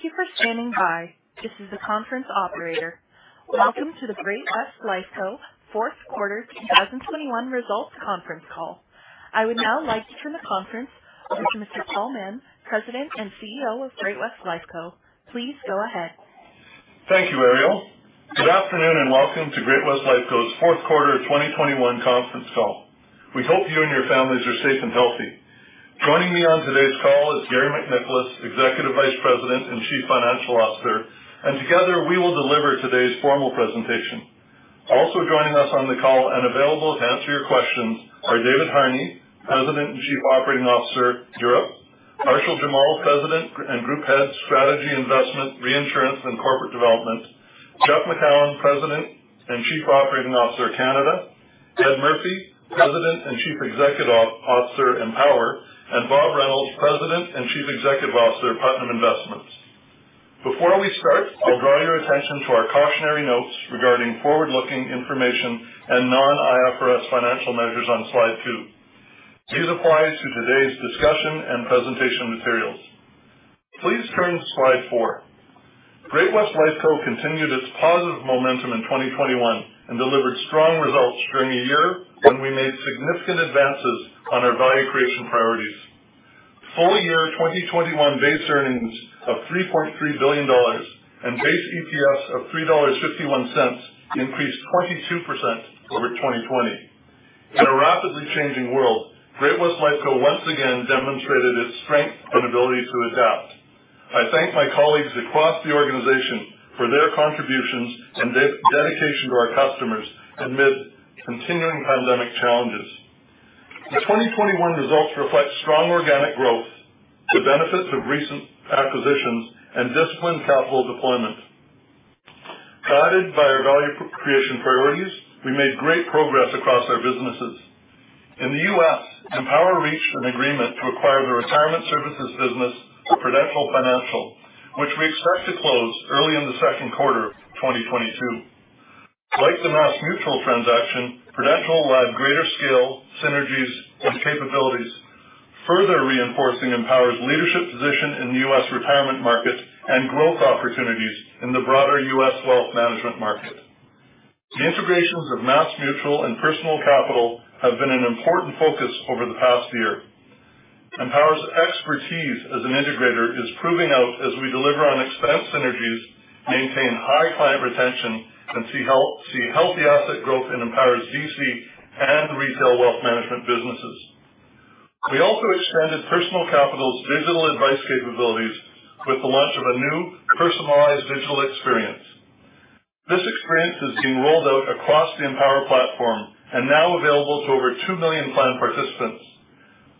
Thank you for standing by. This is the conference operator. Welcome to the Great-West Lifeco fourth quarter 2021 results conference call. I would now like to turn the conference over to Mr. Paul Mahon, President and CEO of Great-West Lifeco. Please go ahead. Thank you, Ariel. Good afternoon, and welcome to Great-West Lifeco's fourth quarter 2021 conference call. We hope you and your families are safe and healthy. Joining me on today's call is Garry MacNicholas, Executive Vice President and Chief Financial Officer, and together, we will deliver today's formal presentation. Also joining us on the call and available to answer your questions are David Harney, President and Chief Operating Officer, Europe; Arshil Jamal, President and Group Head, Strategy, Investment, Reinsurance, and Corporate Development; Jeff Macoun, President and Chief Operating Officer, Canada; Ed Murphy, President and Chief Executive Officer, Empower; and Bob Reynolds, President and Chief Executive Officer, Putnam Investments. Before we start, I'll draw your attention to our cautionary notes regarding forward-looking information and non-IFRS financial measures on slide two. These apply to today's discussion and presentation materials. Please turn to slide four. Great-West Lifeco continued its positive momentum in 2021 and delivered strong results during a year when we made significant advances on our value creation priorities. Full-year 2021 base earnings of 3.3 billion dollars and base EPS of 3.51 dollars increased 22% over 2020. In a rapidly changing world, Great-West Lifeco once again demonstrated its strength and ability to adapt. I thank my colleagues across the organization for their contributions and dedication to our customers amid continuing pandemic challenges. The 2021 results reflect strong organic growth, the benefits of recent acquisitions, and disciplined capital deployment. Guided by our value creation priorities, we made great progress across our businesses. In the U.S., Empower reached an agreement to acquire the retirement services business of Prudential Financial, which we expect to close early in the second quarter of 2022. Like the MassMutual transaction, Prudential will add greater scale, synergies, and capabilities, further reinforcing Empower's leadership position in the U.S. retirement market and growth opportunities in the broader U.S. wealth management market. The integrations of MassMutual and Personal Capital have been an important focus over the past year. Empower's expertise as an integrator is proving out as we deliver on expense synergies, maintain high client retention, and see healthy asset growth in Empower's DC and retail wealth management businesses. We also extended Personal Capital's digital advice capabilities with the launch of a new personalized digital experience. This experience is being rolled out across the Empower platform and now available to over 2 million plan participants.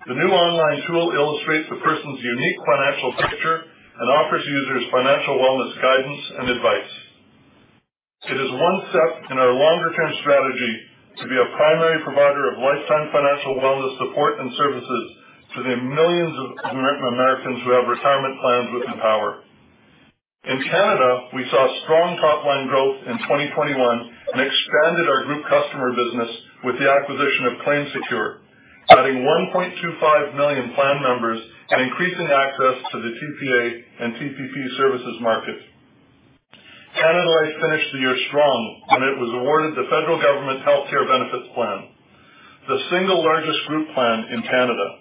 The new online tool illustrates a person's unique financial picture and offers users financial wellness guidance and advice. It is one step in our longer-term strategy to be a primary provider of lifetime financial wellness support and services to the millions of Americans who have retirement plans with Empower. In Canada, we saw strong top line growth in 2021 and expanded our group customer business with the acquisition of ClaimSecure, adding 1.25 million plan members and increasing access to the TPA and TPP services market. Canada Life finished the year strong when it was awarded the federal government healthcare benefits plan, the single largest group plan in Canada.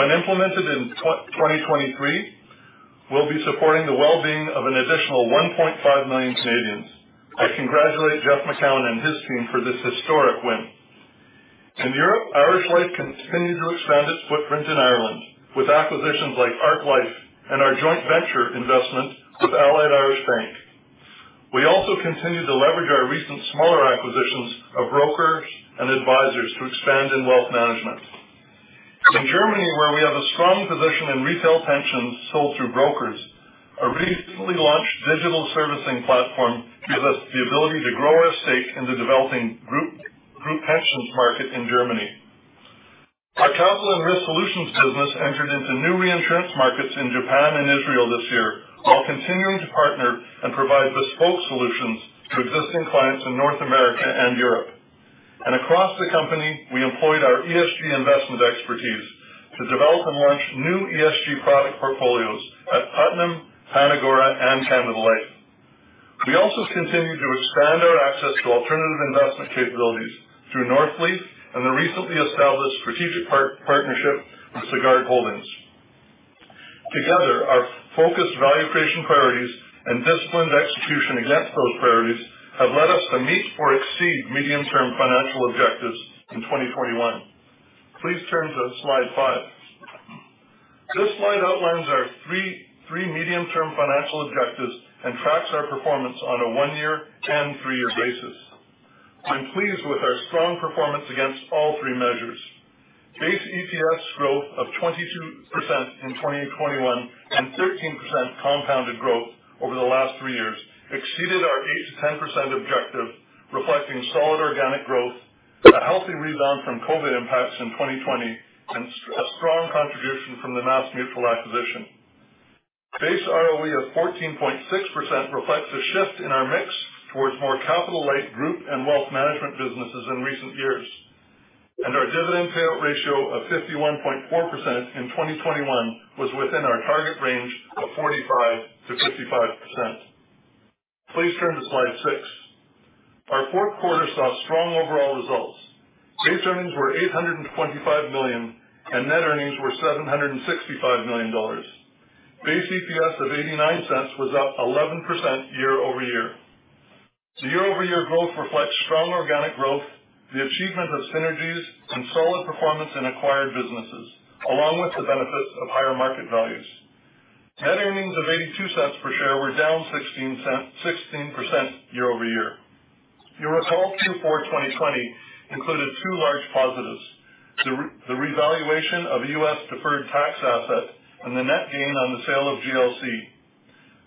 When implemented in 2023, we'll be supporting the well-being of an additional 1.5 million Canadians. I congratulate Jeff Macoun and his team for this historic win. In Europe, Irish Life continued to expand its footprint in Ireland with acquisitions like Ark Life and our joint venture investment with Allied Irish Bank. We also continued to leverage our recent smaller acquisitions of brokers and advisors to expand in wealth management. In Germany, where we have a strong position in retail pensions sold through brokers, our recently launched digital servicing platform gives us the ability to grow our stake in the developing group pensions market in Germany. Our travel and risk solutions business entered into new reinsurance markets in Japan and Israel this year, while continuing to partner and provide bespoke solutions to existing clients in North America and Europe. Across the company, we employed our ESG investment expertise to develop and launch new ESG product portfolios at Putnam, PanAgora, and Canada Life. We also continued to expand our access to alternative investment capabilities through Northleaf and the recently established strategic partnership with Sagard Holdings. Together, our focused value creation priorities and disciplined execution against those priorities have led us to meet or exceed medium-term financial objectives in 2021. Please turn to slide five. This slide outlines our three medium-term financial objectives and tracks our performance on a one-year and three-year basis. I'm pleased with our strong performance against all three measures. Base EPS growth of 22% in 2021 and 13% compounded growth over the last three years exceeded our 8%-10% objective, reflecting solid organic growth, a healthy rebound from COVID impacts in 2020, and a strong contribution from the MassMutual acquisition. Base ROE of 14.6% reflects a shift in our mix towards more capital-light group and wealth management businesses in recent years. Our dividend payout ratio of 51.4% in 2021 was within our target range of 45%-55%. Please turn to slide six. Our fourth quarter saw strong overall results. Base earnings were 825 million, and net earnings were 765 million dollars. Base EPS of 0.89 was up 11% year-over-year. The year-over-year growth reflects strong organic growth, the achievement of synergies, and solid performance in acquired businesses, along with the benefits of higher market values. Net earnings of 0.82 per share were down 16% year-over-year. Your results Q4 2020 included two large positives, the revaluation of U.S. deferred tax asset and the net gain on the sale of GLC.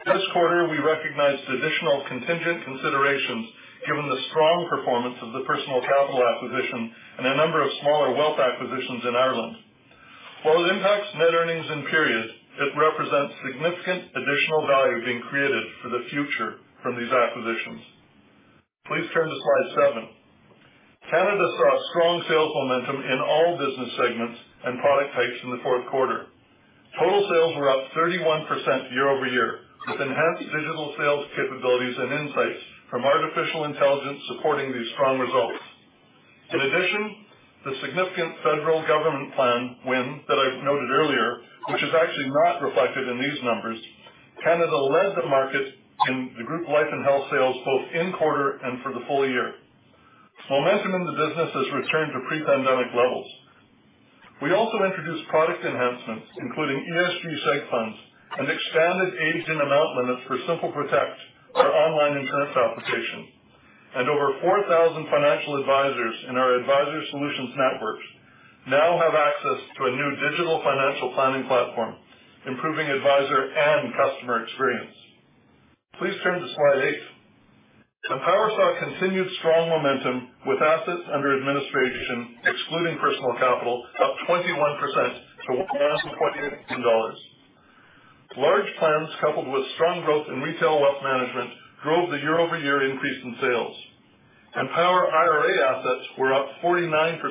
This quarter, we recognized additional contingent considerations given the strong performance of the Personal Capital acquisition and a number of smaller wealth acquisitions in Ireland. While it impacts net earnings in period, it represents significant additional value being created for the future from these acquisitions. Please turn to slide seven. Canada saw strong sales momentum in all business segments and product types in the fourth quarter. Total sales were up 31% year-over-year, with enhanced digital sales capabilities and insights from artificial intelligence supporting these strong results. In addition, the significant federal government plan win that I noted earlier, which is actually not reflected in these numbers. Canada led the market in the group life and health sales both in quarter and for the full year. Momentum in the business has returned to pre-pandemic levels. We also introduced product enhancements, including ESG seg funds and expanded age and amount limits for Simple Protect, our online insurance application. Over 4,000 financial advisors in our Advisor Solutions networks now have access to a new digital financial planning platform, improving advisor and customer experience. Please turn to slide eight. Empower saw continued strong momentum with assets under administration, excluding Personal Capital, up 21% to more than $28 billion. Large plans, coupled with strong growth in retail wealth management, drove the year-over-year increase in sales. Empower IRA assets were up 49%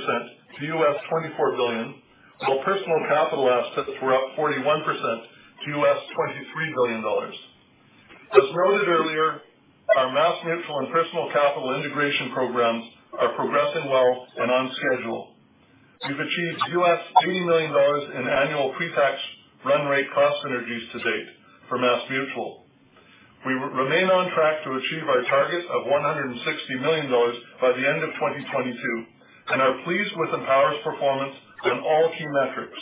to $24 billion, while Personal Capital assets were up 41% to $23 billion. As noted earlier, our MassMutual and Personal Capital integration programs are progressing well and on schedule. We've achieved $80 million in annual pre-tax run rate cost synergies to date for MassMutual. We remain on track to achieve our target of $160 million by the end of 2022 and are pleased with Empower's performance on all key metrics,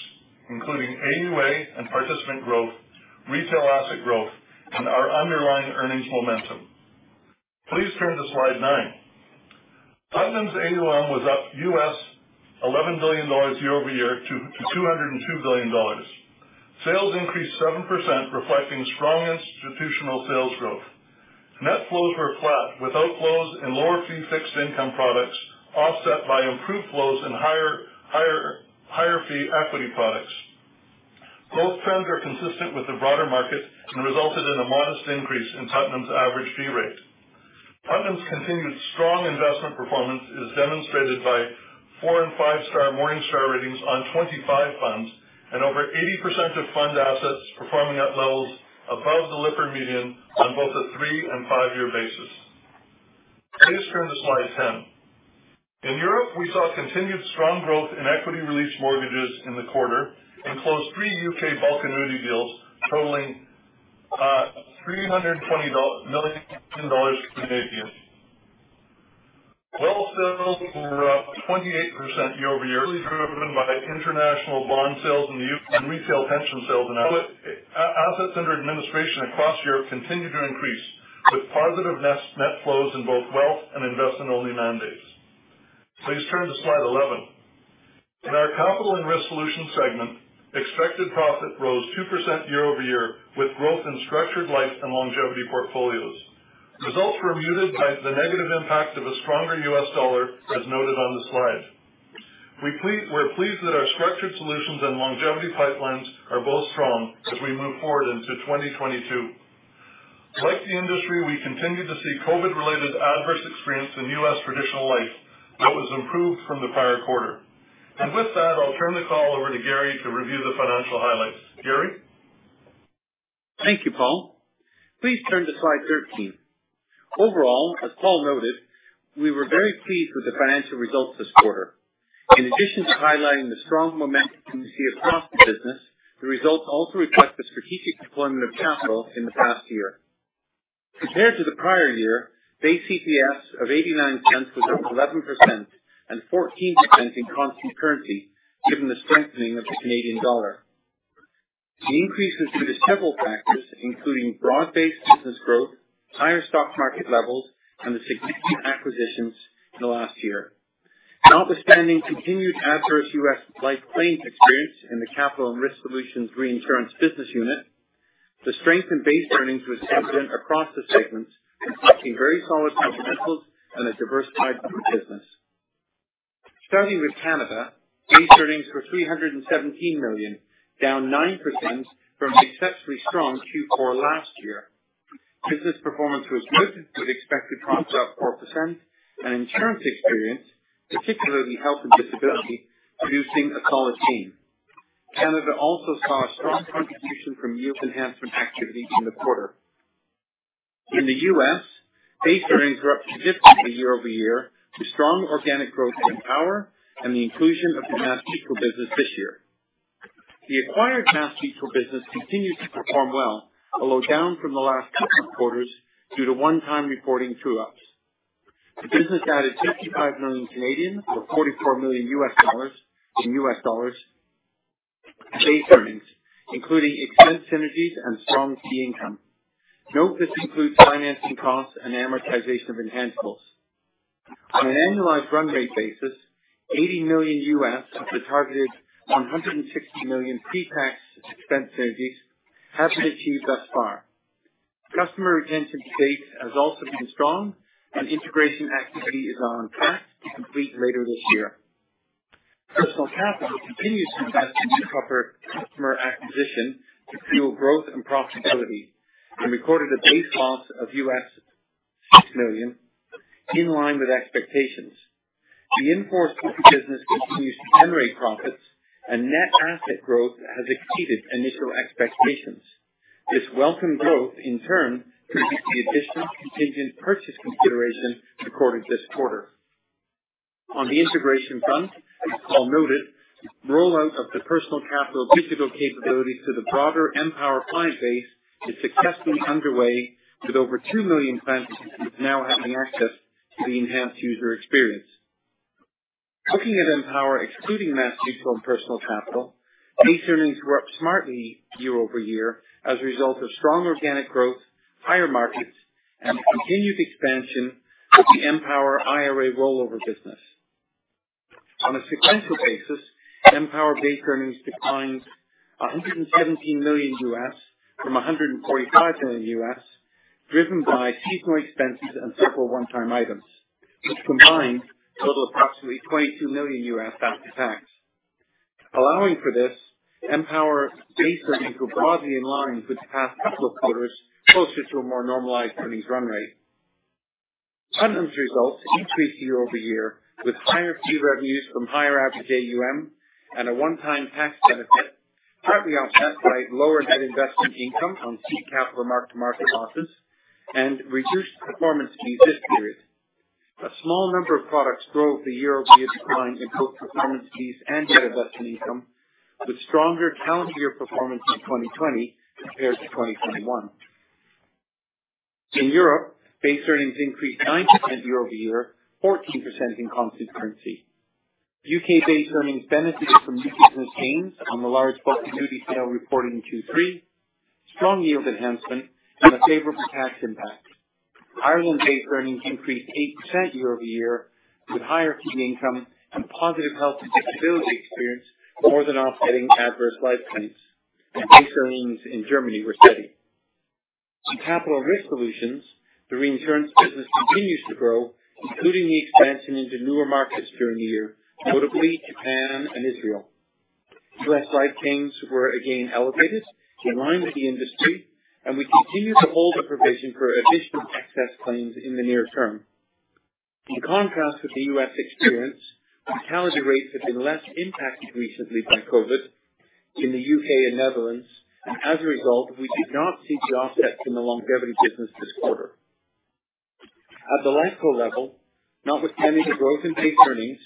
including AUA and participant growth, retail asset growth, and our underlying earnings momentum. Please turn to slide nine. Putnam's AUM was up $11 billion year-over-year to $202 billion. Sales increased 7%, reflecting strong institutional sales growth. Net flows were flat, with outflows in lower fee fixed income products offset by improved flows in higher fee equity products. Both trends are consistent with the broader market and resulted in a modest increase in Putnam's average fee rate. Putnam's continued strong investment performance is demonstrated by four- and five-star Morningstar ratings on 25 funds, and over 80% of fund assets performing at levels above the Lipper median on both a three- and five-year basis. Please turn to slide 10. In Europe, we saw continued strong growth in equity release mortgages in the quarter and closed three U.K. bulk annuity deals totaling CAD 320 million. Wealth sales were up 28% year-over-year, driven by international bond sales in the U.K. and retail pension sales in Europe. Assets under administration across Europe continued to increase, with positive net flows in both wealth and investment-only mandates. Please turn to slide 11. In our Capital and Risk Solutions segment, expected profit rose 2% year-over-year, with growth in structured life and longevity portfolios. Results were muted by the negative impact of a stronger U.S. dollar, as noted on the slide. We're pleased that our structured solutions and longevity pipelines are both strong as we move forward into 2022. Like the industry, we continue to see COVID-related adverse experience in U.S. traditional life, though it has improved from the prior quarter. With that, I'll turn the call over to Garry to review the financial highlights. Garry? Thank you, Paul. Please turn to slide 13. Overall, as Paul noted, we were very pleased with the financial results this quarter. In addition to highlighting the strong momentum we see across the business, the results also reflect the strategic deployment of capital in the past year. Compared to the prior year, base EPS of 0.89 was up 11% and 14% in constant currency, given the strengthening of the Canadian dollar. The increase was due to several factors, including broad-based business growth, higher stock market levels, and the significant acquisitions in the last year. Notwithstanding continued adverse U.S. life claims experience in the Capital and Risk Solutions reinsurance business unit, the strength in base earnings was evident across the segments, reflecting very solid fundamentals and a diversified group business. Starting with Canada, base earnings were 317 million, down 9% from exceptionally strong Q4 last year. Business performance was lifted with expected profits up 4% and insurance experience, particularly health and disability, producing a solid gain. Canada also saw a strong contribution from yield enhancement activity in the quarter. In the U.S., base earnings were up significantly year-over-year with strong organic growth in Empower and the inclusion of the MassMutual business this year. The acquired MassMutual business continues to perform well, although down from the last two quarters due to one-time reporting true-ups. The business added 55 million or $44 million in U.S. dollars base earnings, including expense synergies and strong fee income. Note this includes financing costs and amortization of intangibles. On an annualized run rate basis, $80 million of the targeted $160 million pre-tax expense synergies have been achieved thus far. Customer retention to date has also been strong and integration activity is on track to complete later this year. Personal Capital continues to invest in new customer acquisition to fuel growth and profitability, and recorded a base cost of $6 million in line with expectations. The retirement business continues to generate profits and net asset growth has exceeded initial expectations. This welcome growth in turn produced the additional contingent purchase consideration recorded this quarter. On the integration front, as Paul noted, rollout of the Personal Capital digital capabilities to the broader Empower client base is successfully underway, with over 2 million clients now having access to the enhanced user experience. Looking at Empower, excluding MassMutual and Personal Capital, base earnings were up smartly year-over-year as a result of strong organic growth, higher markets, and the continued expansion of the Empower IRA rollover business. On a sequential basis, Empower base earnings declined $117 million from $145 million, driven by seasonal expenses and several one-time items, which combined totaled approximately $22 million after tax. Allowing for this, Empower base earnings were broadly in line with the past couple of quarters, closer to a more normalized earnings run rate. Sun Life's results increased year-over-year, with higher fee revenues from higher average AUM and a one-time tax benefit, partly offset by lower net investment income on C cap mark-to-market losses and reduced performance fees this period. A small number of products drove the year-over-year decline in both performance fees and net investment income, with stronger calendar year performance in 2020 compared to 2021. In Europe, base earnings increased 9% year-over-year, 14% in constant currency. U.K.-based earnings benefited from business gains on the large bulk annuity sale reported in Q3, strong yield enhancement, and a favorable tax impact. Ireland-based earnings increased 8% year-over-year, with higher fee income and positive health and stability experience more than offsetting adverse life claims. Base earnings in Germany were steady. In Capital and Risk Solutions, the reinsurance business continues to grow, including the expansion into newer markets during the year, notably Japan and Israel. U.S. life claims were again elevated in line with the industry, and we continue to hold a provision for additional excess claims in the near term. In contrast with the U.S. experience, mortality rates have been less impacted recently by COVID in the U.K. and Netherlands. As a result, we did not see the offsets in the longevity business this quarter. At the Lifeco level, notwithstanding the growth in base earnings,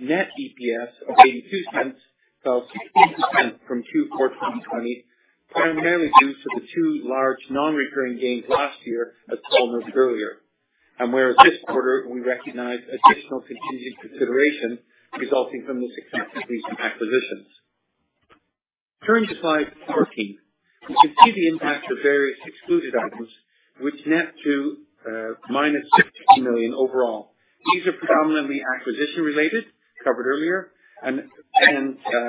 net EPS of 0.82 fell 16% from Q4 2020, primarily due to the two large non-recurring gains last year, as Paul noted earlier. Whereas this quarter we recognized additional contingent consideration resulting from the success of recent acquisitions. Turning to slide 14, you can see the impact of various excluded items which net to -15 million overall. These are predominantly acquisition-related, covered earlier, and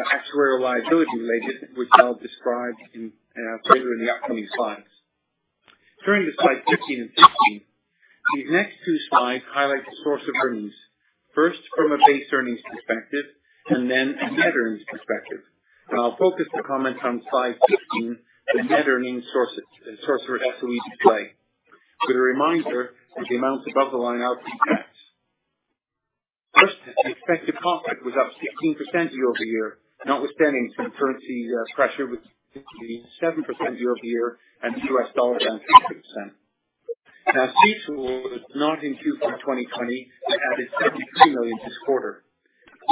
actuarial liability-related, which I'll describe in further in the upcoming slides. Turning to slide 15 and 16. These next two slides highlight the source of earnings. First from a base earnings perspective and then a net earnings perspective. I'll focus the comments on slide 15, the net earnings sources source for SOE display. With a reminder that the amounts above the line are pre-tax. First, the expected profit was up 16% year-over-year, notwithstanding some currency pressure with the euro down 7% year-over-year and U.S. dollar down 2%. Now, MassMutual was not in Q4 2020. It added 33 million this quarter.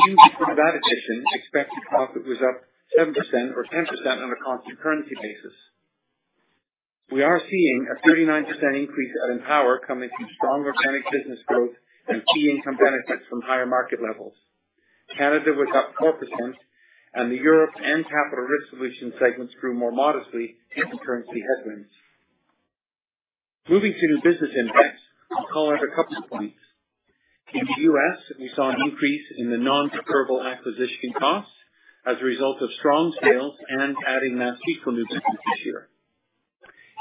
Even before that addition, expected profit was up 7% or 10% on a constant currency basis. We are seeing a 39% increase at Empower coming from strong organic business growth and fee income benefits from higher market levels. Canada was up 4% and the Europe and Capital and Risk Solutions segments grew more modestly in currency headwinds. Moving to new business index, I'll call out a couple of points. In the U.S., we saw an increase in the non-repeatable acquisition costs as a result of strong sales and adding MassMutual new business this year.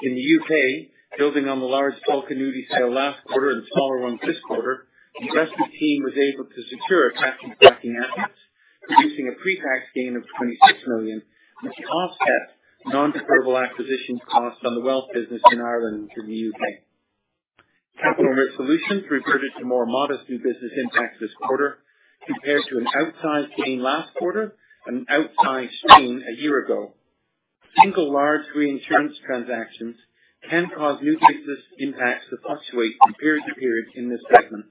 In the U.K., building on the large bulk annuity sale last quarter and smaller ones this quarter, the investment team was able to secure a tax-impacting asset, producing a pre-tax gain of 26 million, which offsets non-deferrable acquisition costs on the wealth business in Ireland, too, the U.K. Capital and Risk Solutions reverted to more modest new business impacts this quarter compared to an outsized gain last quarter and an outsized gain a year ago. Single large reinsurance transactions can cause new business impacts to fluctuate from period to period in this segment.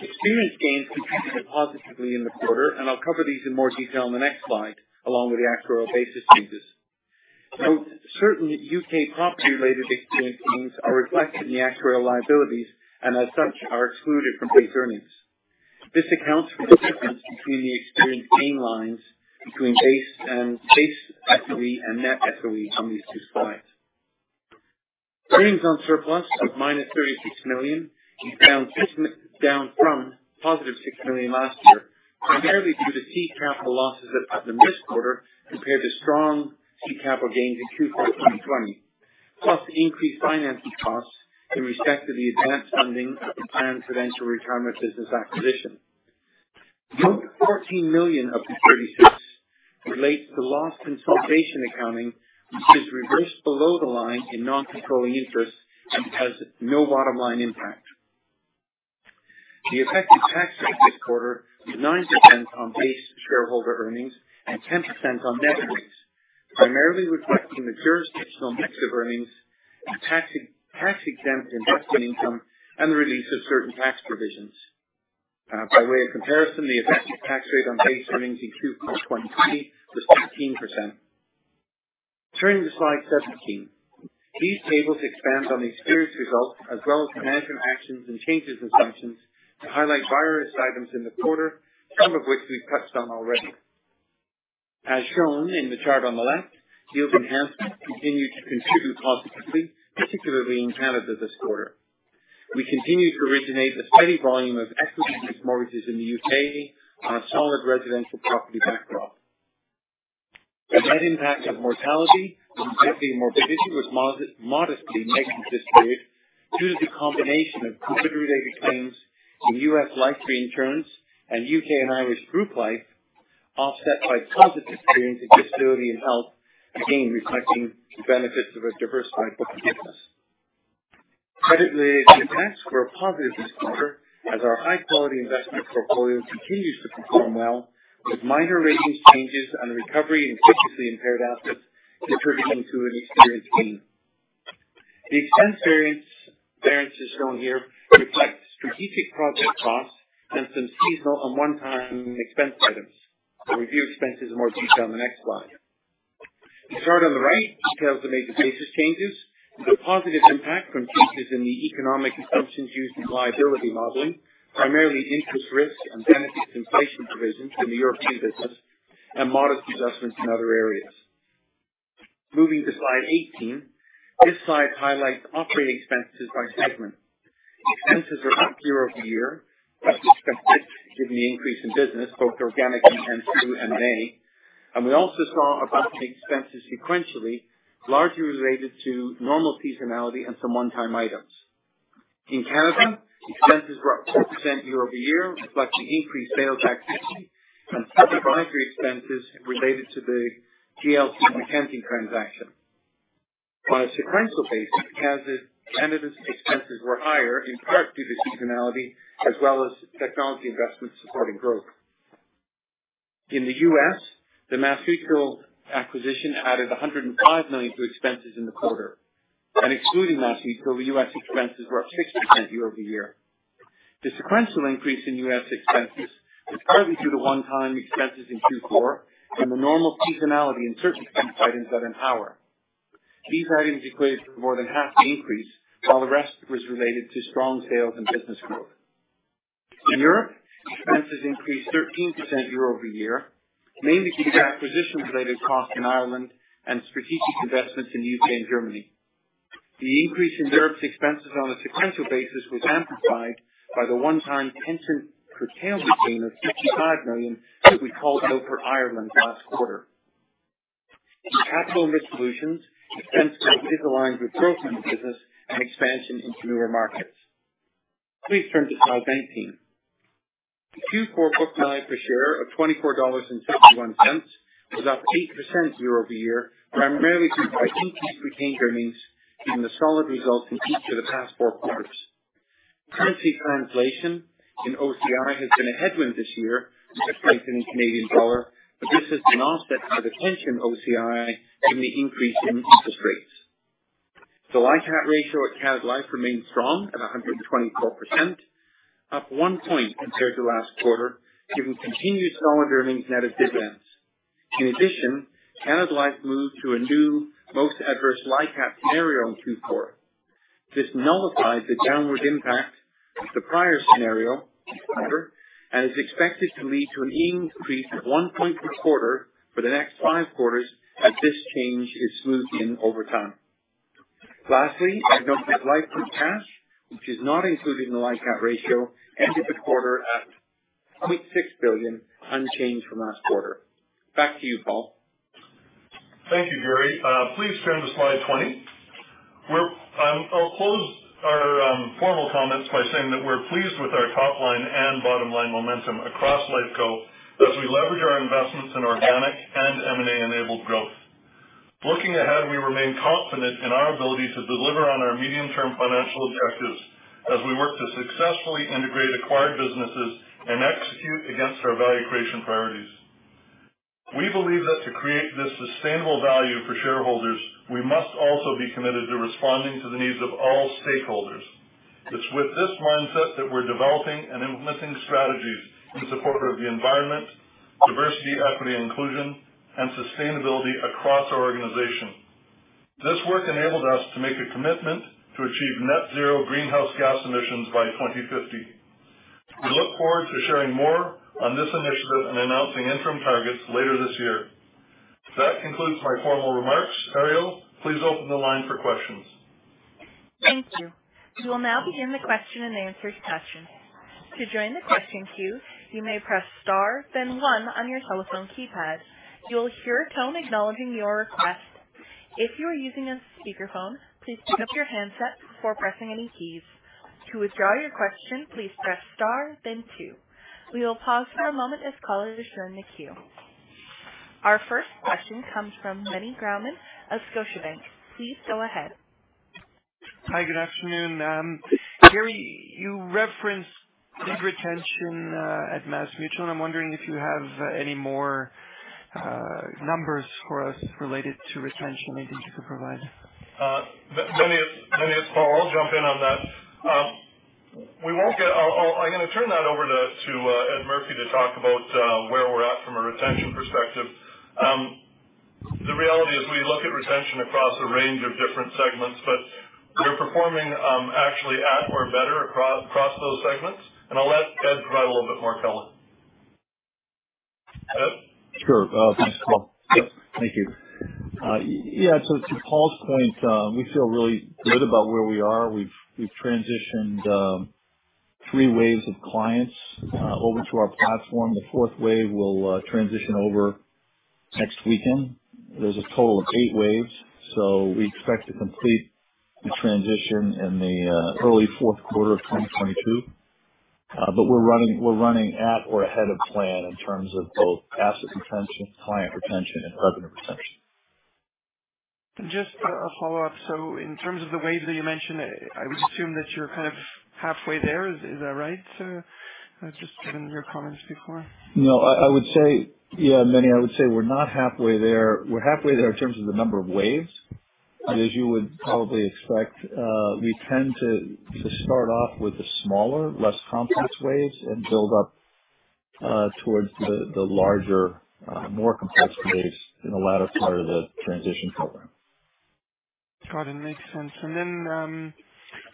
Experience gains contributed positively in the quarter, and I'll cover these in more detail in the next slide, along with the actuarial basis changes. Certain U.K. property-related experience gains are reflected in the actuarial liabilities and as such are excluded from base earnings. This accounts for the difference between the experience gain lines between base and base equity and net equity on these two slides. Earnings on surplus of -36 million is down from +6 million last year, primarily due to seed capital losses in this quarter compared to strong seed capital gains in Q4 2020, plus increased financing costs with respect to the advanced funding of the planned Prudential Retirement business acquisition. Note 14 million of the 36 relates to loss recognition accounting, which is reversed below the line in non-controlling interests and has no bottom line impact. The effective tax rate this quarter was 9% on base shareholder earnings and 10% on net earnings, primarily reflecting the jurisdictional mix of earnings and tax-exempt investment income and the release of certain tax provisions. By way of comparison, the effective tax rate on base earnings in Q4 2020 was 13%. Turning to slide 17. These tables expand on the experience results as well as management actions and changed assumptions to highlight various items in the quarter, some of which we've touched on already. As shown in the chart on the left, yield enhancements continued to contribute positively, particularly in Canada this quarter. We continued to originate a steady volume of equity release mortgages in the U.K. on a solid residential property backdrop. The net impact of mortality and severity and morbidity was modestly negative this period due to the combination of COVID-related claims in U.S. life reinsurance and U.K. and Irish group life, offset by positive experience in disability and health, again reflecting the benefits of a diversified book of business. Credit-related expenses were positive this quarter as our high-quality investment portfolio continues to perform well, with minor ratings changes and recovery in previously impaired assets contributing to an experience gain. The expense variance as shown here reflects strategic project costs and some seasonal and one-time expense items. We'll review expenses in more detail in the next slide. The chart on the right details the major basis changes. The positive impact from changes in the economic assumptions used in liability modeling, primarily interest risk and benefit inflation provisions in the European business and modest adjustments in other areas. Moving to slide 18. This slide highlights operating expenses by segment. Expenses are up year-over-year, as expected, given the increase in business, both organic and through M&A. We also saw a bump in expenses sequentially, largely related to normal seasonality and some one-time items. In Canada, expenses were up 2% year-over-year, reflecting increased sales activity and advisory expenses related to the GLC Mackenzie transaction. On a sequential basis, Canada's expenses were higher, in part due to seasonality as well as technology investments supporting growth. In the U.S., the MassMutual acquisition added $105 million to expenses in the quarter. Excluding MassMutual, U.S. expenses were up 6% year-over-year. The sequential increase in U.S. expenses was partly due to one-time expenses in Q4 and the normal seasonality in certain expense items that Empower. These items equates to more than half the increase, while the rest was related to strong sales and business growth. In Europe, expenses increased 13% year-over-year, mainly due to acquisition-related costs in Ireland and strategic investments in U.K. and Germany. The increase in Europe's expenses on a sequential basis was amplified by the one-time pension curtailment gain of 55 million that we called out for Ireland last quarter. In Capital and Risk Solutions, expense growth is aligned with growth in the business and expansion into newer markets. Please turn to slide 19. The Q4 book value per share of 24.71 dollars was up 8% year-over-year, primarily due to increased retained earnings, given the solid results in each of the past four quarters. Currency translation in OCI has been a headwind this year with the strengthening Canadian dollar, but this has been offset by the positive OCI given the increase in interest rates. The LICAT ratio at Canada Life remains strong at 124%, up one point compared to last quarter, giving continued solid earnings net of dividends. In addition, Canada Life moved to a new most adverse LICAT scenario in Q4. This nullifies the downward impact of the prior scenario and is expected to lead to an increase of one point per quarter for the next five quarters as this change is smoothed in over time. Lastly, adjusted LICAT, which is not included in the LICAT ratio, ended the quarter at 0.6 billion, unchanged from last quarter. Back to you, Paul. Thank you, Garry. Please turn to slide 20. I'll close our formal comments by saying that we're pleased with our top line and bottom line momentum across Lifeco as we leverage our investments in organic and M&A-enabled growth. Looking ahead, we remain confident in our ability to deliver on our medium-term financial objectives as we work to successfully integrate acquired businesses and execute against our value creation priorities. We believe that to create this sustainable value for shareholders, we must also be committed to responding to the needs of all stakeholders. It's with this mindset that we're developing and implementing strategies in support of the environment, diversity, equity, inclusion, and sustainability across our organization. This work enabled us to make a commitment to achieve net zero greenhouse gas emissions by 2050. We look forward to sharing more on this initiative and announcing interim targets later this year. That concludes my formal remarks. Ariel, please open the line for questions. Thank you. We will now begin the question and answer session. To join the question queue, you may press star then one on your telephone keypad. You will hear a tone acknowledging your request. If you are using a speakerphone, please pick up your handset before pressing any keys. To withdraw your question, please press star then two. We will pause for a moment as callers join the queue. Our first question comes from Meny Grauman of Scotiabank. Please go ahead. Hi, good afternoon. Garry, you referenced good retention at MassMutual, and I'm wondering if you have any more numbers for us related to retention. Maybe you could provide. Meny, it's Paul. I'll jump in on that. I'm gonna turn that over to Ed Murphy to talk about where we're at from a retention perspective. The reality is we look at retention across a range of different segments, but we're performing actually at or better across those segments. I'll let Ed provide a little bit more color. Ed? Sure. Thanks, Paul. Yep, thank you. Yeah, to Paul's point, we feel really good about where we are. We've transitioned three waves of clients over to our platform. The fourth wave will transition over next weekend. There's a total of eight waves, so we expect to complete the transition in the early fourth quarter of 2022. We're running at or ahead of plan in terms of both asset retention, client retention, and revenue retention. Just a follow-up. In terms of the waves that you mentioned, I would assume that you're kind of halfway there. Is that right? Just given your comments before. No, I would say. Yeah, Meny, I would say we're not halfway there. We're halfway there in terms of the number of waves. As you would probably expect, we tend to start off with the smaller, less complex waves and build up towards the larger, more complex waves in the latter part of the transition program. Got it. Makes sense.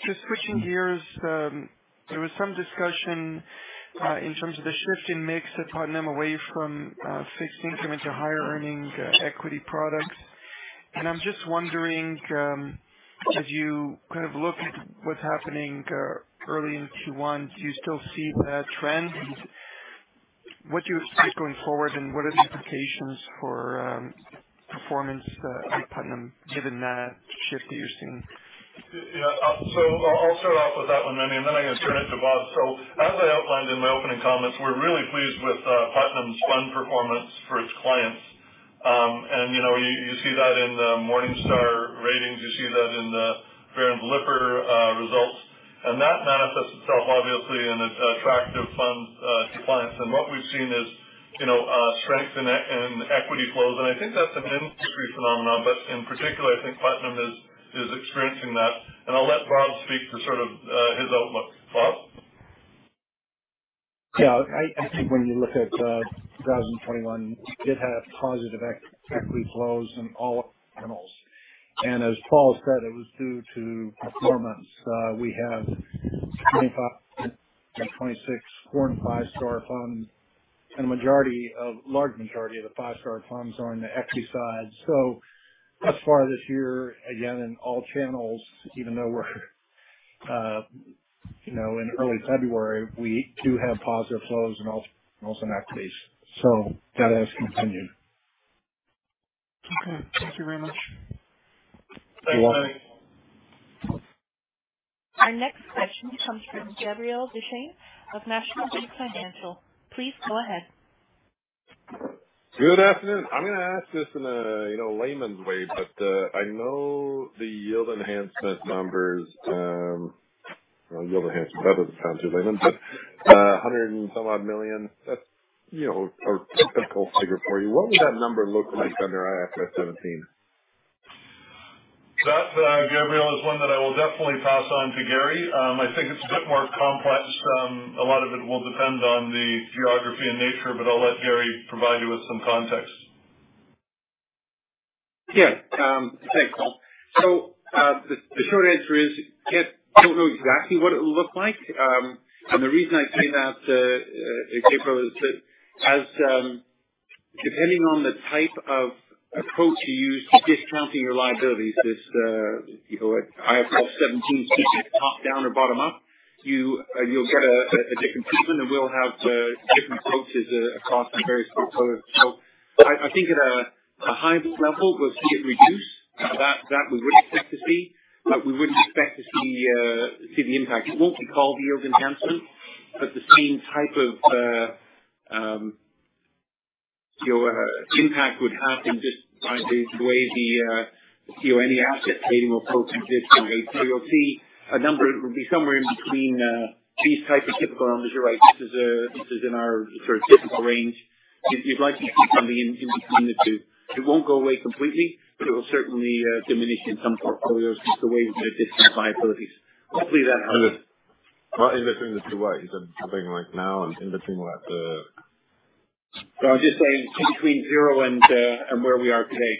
Just switching gears, there was some discussion in terms of the shift in mix at Putnam away from fixed income into higher earning equity products. I'm just wondering, as you kind of look at what's happening early in Q1, do you still see that trend? What do you expect going forward, and what are the implications for performance at Putnam given that shift that you're seeing? Yeah. I'll start off with that one, Meny, and then I'm gonna turn it to Bob. As I outlined in my opening comments, we're really pleased with Putnam's fund performance for its clients. You know, you see that in the Morningstar ratings, you see that in the Barron's Lipper results. That manifests itself obviously in attractive funds to clients. What we've seen is you know, strength in equity flows, and I think that's an industry phenomenon. But in particular, I think Putnam is experiencing that. I'll let Bob speak to his outlook. Bob? Yeah. I think when you look at 2021, it had positive equity flows in all channels. As Paul said, it was due to performance. We have 25-26 foreign five-star funds, and the majority of the five-star funds are on the equity side. Thus far this year, again, in all channels, even though we're in early February, we do have positive flows in all asset classes. That has continued. Okay. Thank you very much. Thanks, Meny. Our next question comes from Gabriel Dechaine of National Bank Financial. Please go ahead. Good afternoon. I'm gonna ask this in a you know layman's way, but I know the yield enhancement numbers, well yield enhancement, that was the term for layman. 100 and some odd million, that's you know a simple figure for you. What would that number look like under IFRS 17? That, Gabriel, is one that I will definitely pass on to Garry. I think it's a bit more complex. A lot of it will depend on the geography and nature, but I'll let Garry provide you with some context. Yeah. Thanks, Paul. The short answer is, yes, don't know exactly what it will look like. The reason I say that, Gabriel, is that depending on the type of approach you use to discounting your liabilities is, you know what, IFRS 17 keeps it top down or bottom up. You'll get a different treatment, and we'll have different approaches across our various portfolios. I think at a high level, we'll see it reduce, that we would expect to see. We wouldn't expect to see the impact. It won't be called yield enhancement, but the same type of, you know, impact would happen just by the way the, you know, any asset trading will flow through this. You'll see a number. It will be somewhere in between these type of typical numbers. You're right. This is in our sort of typical range. You'd likely see something in between the two. It won't go away completely, but it will certainly diminish in some portfolios just the way we've made adjustments to liabilities. Hopefully that helps. Well, in between the two what? Is it something like now and in between what? No, I'm just saying between zero and where we are today.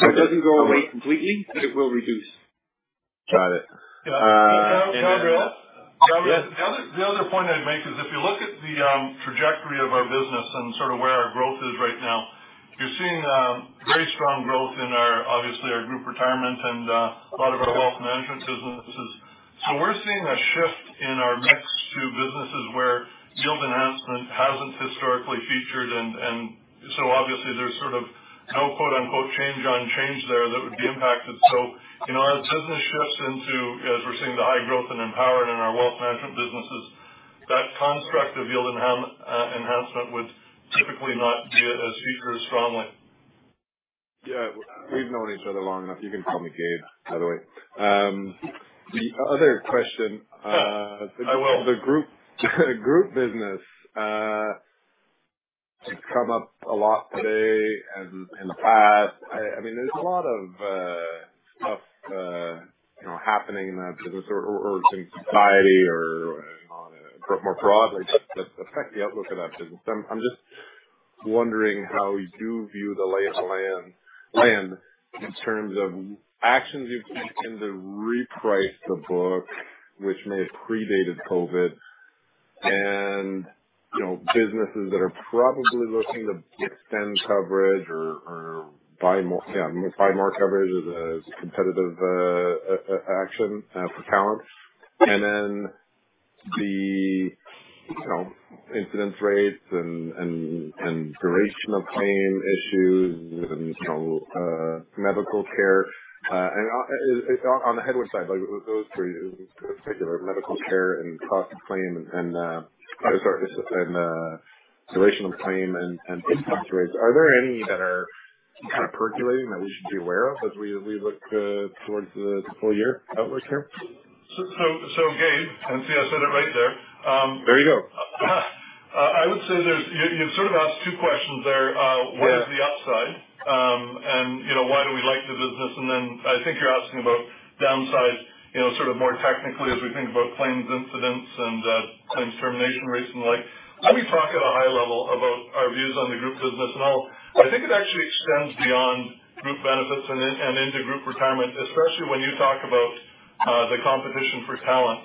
Okay. It doesn't go away completely, but it will reduce. Got it. Can I, Gabriel? Yes. The other point I'd make is if you look at the trajectory of our business and sort of where our growth is right now, you're seeing very strong growth in our, obviously, our group retirement and a lot of our wealth management businesses. We're seeing a shift in our mix to businesses where yield enhancement hasn't historically featured. Obviously there's sort of no quote-unquote "change on change" there that would be impacted. You know, as business shifts into, as we're seeing the high growth in Empower and in our wealth management businesses, that construct of yield enhancement would typically not be as featured as strongly. Yeah. We've known each other long enough. You can call me Gabe, by the way. The other question. I will. The group business come up a lot today as in the past. I mean, there's a lot of stuff, you know, happening in that business or in society or, you know, more broadly that affect the outlook of that business. I'm just wondering how you view the lay of the land in terms of actions you've taken to reprice the book, which may have predated COVID, and, you know, businesses that are probably looking to extend coverage or buy more coverage as a competitive action for talent. Then the incidence rates and duration of claim issues and medical care on the headwind side, like those three in particular, medical care and cost of claim and duration of claim and incidence rates. Are there any that are kind of percolating that we should be aware of as we look towards the full year outlook here? Gabriel, you see, I said it right there. There you go. I would say there's. You sort of asked two questions there. Yeah. What is the upside? You know, why do we like the business? Then I think you're asking about downside, you know, sort of more technically as we think about claims incidence and claims termination rates and the like. Let me talk at a high level about our views on the group business. I think it actually extends beyond group benefits and into group retirement, especially when you talk about the competition for talent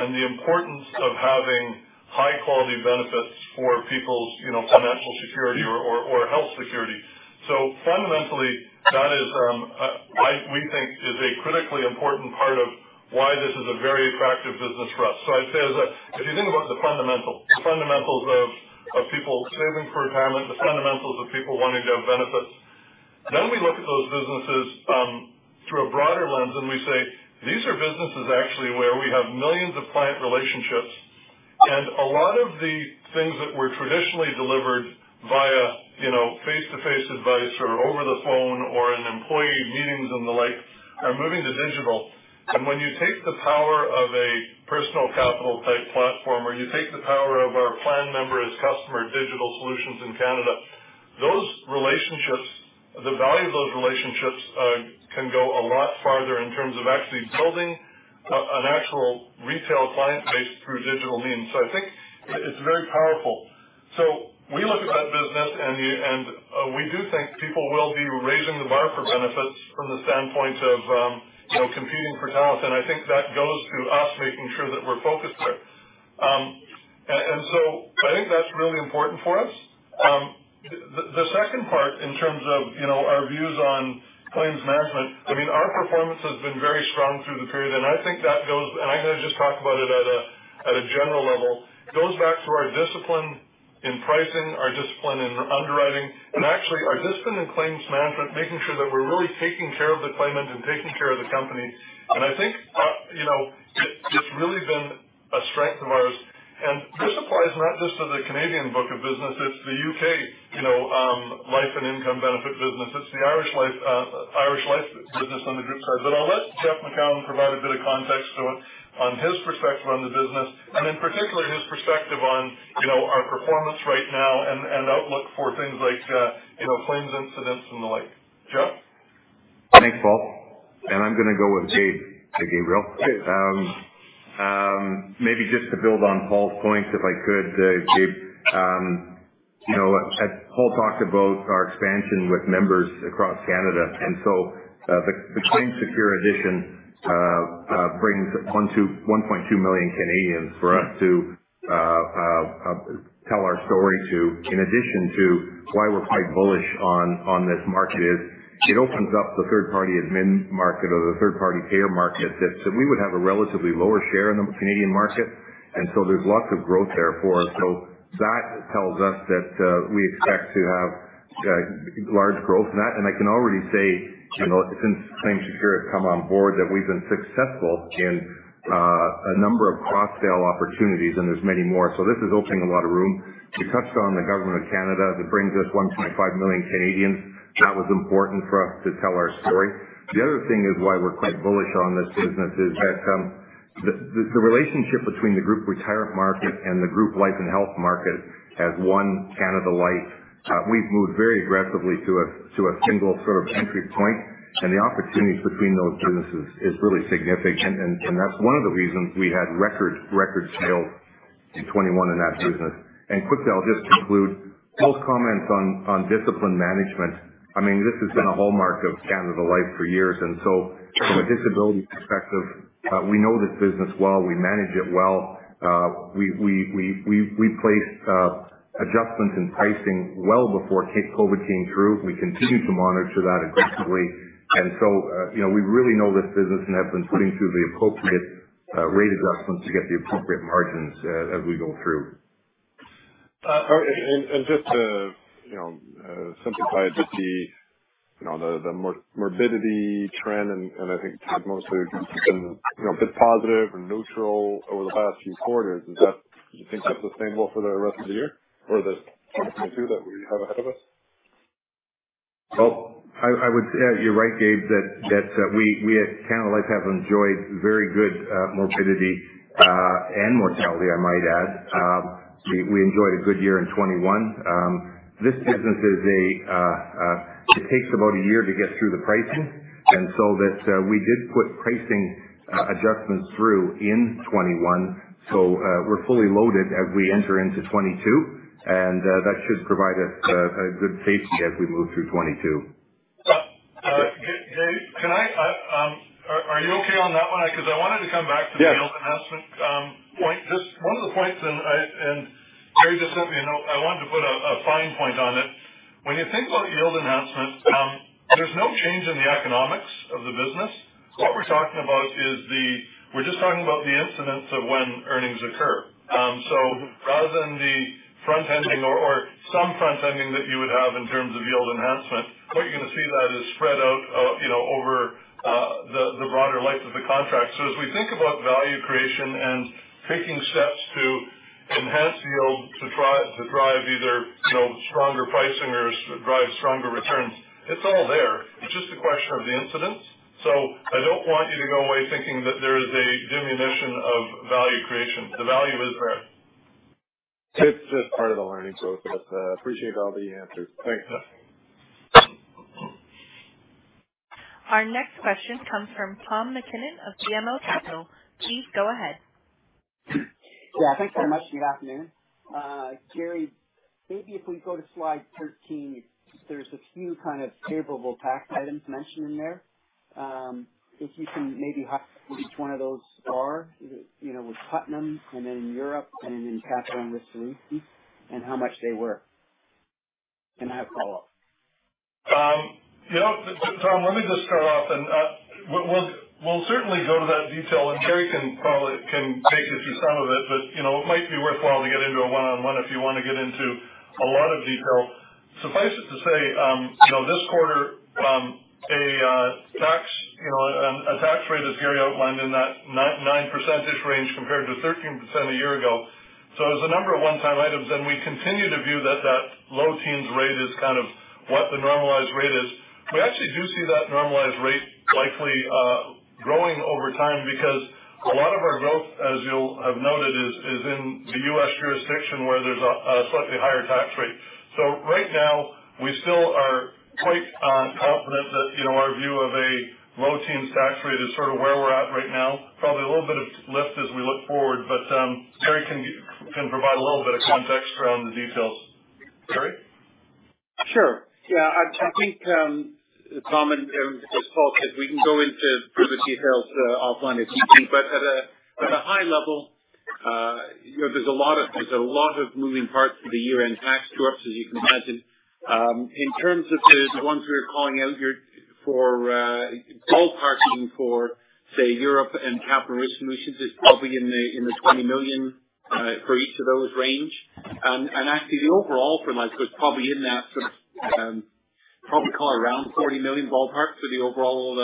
and the importance of having high quality benefits for people's, you know, financial security or health security. Fundamentally, that is why we think it is a critically important part of why this is a very attractive business for us. I'd say, if you think about the fundamentals, the fundamentals of people saving for retirement, the fundamentals of people wanting to have benefits. We look at those businesses through a broader lens, and we say, these are businesses actually where we have millions of client relationships. A lot of the things that were traditionally delivered via, you know, face-to-face advice or over the phone or in employee meetings and the like, are moving to digital. When you take the power of a Personal Capital type platform, or you take the power of our plan member as customer digital solutions in Canada, those relationships, the value of those relationships, can go a lot farther in terms of actually building an actual retail client base through digital means. I think it's very powerful. We look at that business and we do think people will be raising the bar for benefits from the standpoint of, you know, competing for talent. I think that goes to us making sure that we're focused there. I think that's really important for us. The second part in terms of, you know, our views on claims management, I mean, our performance has been very strong through the period, and I think that goes back to our discipline in pricing, our discipline in underwriting, and actually our discipline in claims management, making sure that we're really taking care of the claimant and taking care of the company. I think, you know, it's really been a strength of ours. This applies not just to the Canadian book of business, it's the U.K., you know, life and income benefit business. It's the Irish Life business on the group side. I'll let Jeff Macoun provide a bit of context to it on his perspective on the business and in particular his perspective on, you know, our performance right now and outlook for things like, you know, claims incidents and the like. Jeff. Thanks, Paul. I'm gonna go with Gabe. Hey, Gabriel. Hey. Maybe just to build on Paul's point, if I could, Gabe. You know, as Paul talked about our expansion with members across Canada. The ClaimSecure addition brings 1 million-1.2 million Canadians for us to tell our story to. In addition to why we're quite bullish on this market is it opens up the third-party admin market or the third-party payer market that we would have a relatively lower share in the Canadian market, and there's lots of growth there for us. That tells us that we expect to have large growth in that. I can already say, you know, since ClaimSecure has come on board, that we've been successful in a number of cross-sale opportunities, and there's many more. This is opening a lot of room. We touched on the government of Canada. That brings us 1.5 million Canadians. That was important for us to tell our story. The other thing is why we're quite bullish on this business is that, the relationship between the group retirement market and the group life and health market as one Canada Life, we've moved very aggressively to a single sort of entry point. The opportunity between those businesses is really significant. That's one of the reasons we had record sales in 2021 in that business. Quickly, I'll just conclude. Paul's comments on discipline management. I mean, this has been a hallmark of Canada Life for years. From a disability perspective, we know this business well. We manage it well. We placed adjustments in pricing well before COVID came through. We continue to monitor that aggressively. You know, we really know this business and have been putting through the appropriate rate adjustments to get the appropriate margins as we go through. Just to you know simplify it with the you know the morbidity trend, and I think Todd mostly has been you know a bit positive or neutral over the past few quarters. Do you think that's sustainable for the rest of the year or the 2022 that we have ahead of us? Well, I would say you're right, Gabe, that we at Canada Life have enjoyed very good morbidity and mortality, I might add. We enjoyed a good year in 2021. This business takes about a year to get through the pricing. We put pricing adjustments through in 2021. We're fully loaded as we enter into 2022. That should provide us a good safety as we move through 2022. Gabe, are you okay on that one? Because I wanted to come back. Yes. Yield enhancement point. Just one of the points and Garry just sent me a note. I wanted to put a fine point on it. When you think about yield enhancements, there's no change in the economics of the business. What we're talking about is the incidence of when earnings occur. Rather than the front-ending or some front-ending that you would have in terms of yield enhancement, what you're going to see that is spread out, you know, over the broader life of the contract. As we think about value creation and taking steps to enhance yield to drive either, you know, stronger pricing or drive stronger returns, it's all there. It's just a question of the incidence. I don't want you to go away thinking that there is a diminution of value creation. The value is there. It's just part of the learning curve. Appreciate all the answers. Thanks. Our next question comes from Tom MacKinnon of BMO Capital Markets. Please go ahead. Yeah, thanks very much. Good afternoon. Garry, maybe if we go to slide 13, there's a few kind of table of tax items mentioned in there. If you can maybe highlight what each one of those are. You know, with Putnam and then Europe and then Capital and Risk Solutions, and how much they were. I have follow-up. You know, Tom, let me just start off and we'll certainly go to that detail and Garry can probably take you through some of it, but you know, it might be worthwhile to get into a one-on-one if you want to get into a lot of detail. Suffice it to say, this quarter, a tax rate, as Garry outlined in that 9% range compared to 13% a year ago. There's a number of one-time items, and we continue to view that low teens rate is kind of what the normalized rate is. We actually do see that normalized rate likely growing over time because a lot of our growth, as you'll have noted, is in the U.S. jurisdiction where there's a slightly higher tax rate. Right now we still are quite confident that, you know, our view of a low-teens tax rate is sort of where we're at right now, probably a little bit of lift as we look forward. Garry can provide a little bit of context around the details. Garry? Sure. Yeah, I think, Tom, and as Paul said, we can go into further details offline if you need. At a high level, you know, there's a lot of moving parts to the year-end tax for us, as you can imagine. In terms of the ones we were calling out earlier for, ballparking for, say, Europe and Capital and Risk Solutions is probably in the 20 million range for each of those. Actually, the overall for Lifeco is probably in that sort of, probably call it around 40 million ballpark for the overall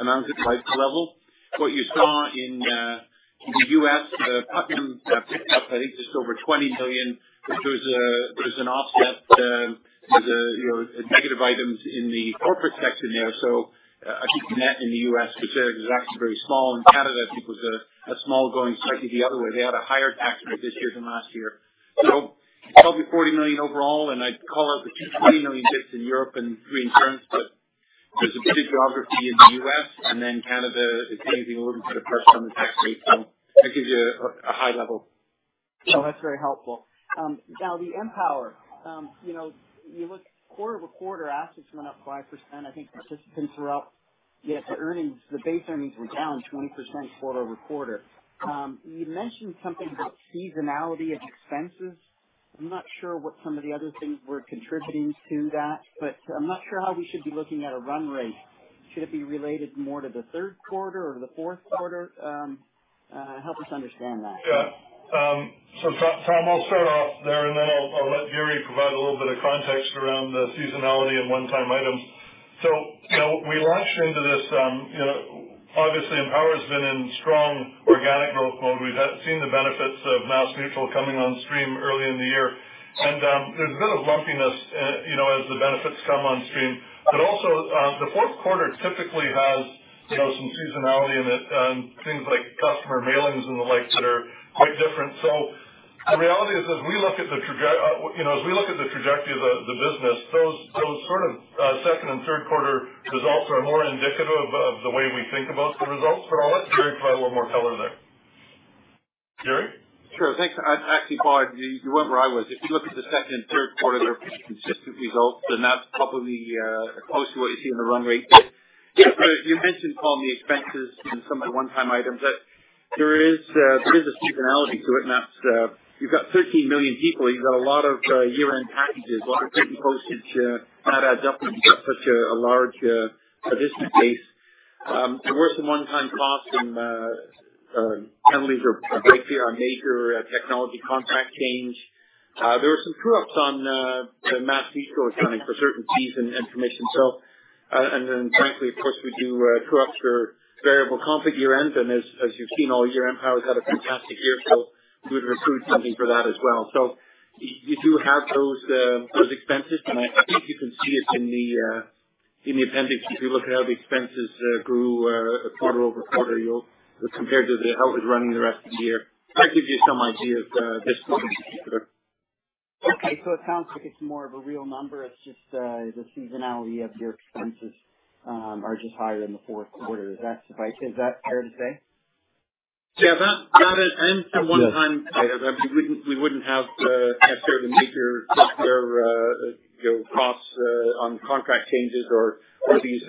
amount at Lifeco level. What you saw in the US, Putnam picked up I think just over 20 million, which was an offset to the, you know, negative items in the corporate section there. I think the net in the US was actually very small. In Canada, I think it was a small going slightly the other way. They had a higher tax rate this year than last year. Probably 40 million overall. I'd call out the 20 million bits in Europe and three in terms, but There's a big geography in the U.S. and then Canada is changing in order to put a pressure on the tax rate. That gives you a high level. Oh, that's very helpful. Now the Empower, you know, you look quarter-over-quarter, assets went up 5%. I think that's just been throughout. Yet the earnings, the base earnings were down 20% quarter-over-quarter. You mentioned something about seasonality and expenses. I'm not sure what some of the other things were contributing to that, but I'm not sure how we should be looking at a run rate. Should it be related more to the third quarter or the fourth quarter? Help us understand that. Tom, I'll start off there, and then I'll let Garry provide a little bit of context around the seasonality and one-time items. You know, we launched into this, you know, obviously Empower's been in strong organic growth mode. We've seen the benefits of MassMutual coming on stream early in the year. There's a bit of lumpiness, you know, as the benefits come on stream. But also, the fourth quarter typically has, you know, some seasonality in it, things like customer mailings and the likes that are quite different. The reality is, as we look at the trajectory of the business, those sort of second and third quarter results are more indicative of the way we think about the results. I'll let Garry provide a little more color there. Garry? Sure. Thanks. I'm actually, Bob, you went where I was. If you look at the second and third quarter, they're pretty consistent results. They're probably not close to what you see in the run rate. You mentioned, Tom, the expenses and some of the one-time items, that there is a seasonality to it, and that's you've got 13 million people. You've got a lot of year-end packages, a lot of printing postage. That adds up when you've got such a large participant base. There were some one-time costs in our P&L's right here, our major technology contract change. There were some true ups on the MassMutual accounting for certain fees and commissions. And then frankly, of course, we do true ups for variable comp year-end. As you've seen all year, Empower's had a fantastic year, so we've accrued something for that as well. You do have those expenses. I think you can see it in the appendix. If you look at how the expenses grew quarter-over-quarter, year-over-year compared to how it was running the rest of the year. That gives you some idea of this. Okay. It sounds like it's more of a real number. It's just, the seasonality of your expenses, are just higher in the fourth quarter. Is that right? Is that fair to say? Yeah, that is. The one time that we wouldn't have necessarily major software, you know, costs on contract changes or these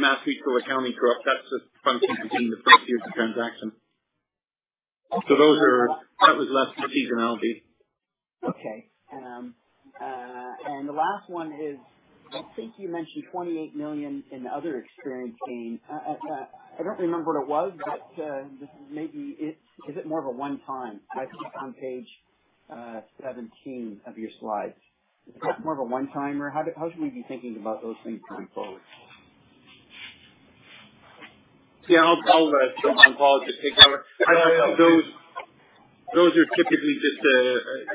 MassMutual accounting true ups. That's a function between the first years of transaction. Those are. That was less the seasonality. Okay. The last one is, I think you mentioned 28 million in the other experience gain. I don't remember what it was, but maybe is it more of a one time? I think it's on page 17 of your slides. Is it more of a one-timer? How should we be thinking about those things going forward? Yeah, I'll jump on, Paul, just to take that one. Those are typically just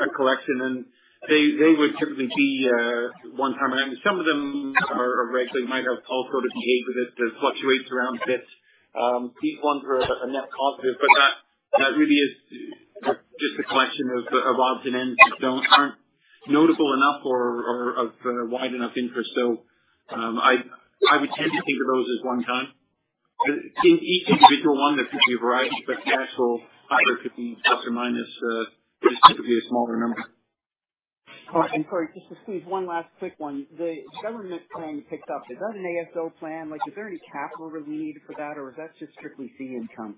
a collection, and they would typically be one-time. Some of them are regular. You might have all sort of behavior that fluctuates around a bit. These ones are a net positive, but that really is just a collection of odds and ends that aren't notable enough or of wide enough interest. I'd tend to think of those as one time. In each individual one, there could be a variety, but the actual number could be plus or minus just typically a smaller number. Sorry, just to squeeze one last quick one. The government plan picked up. Is that an ASO plan? Like, is there any capital really needed for that, or is that just strictly fee income?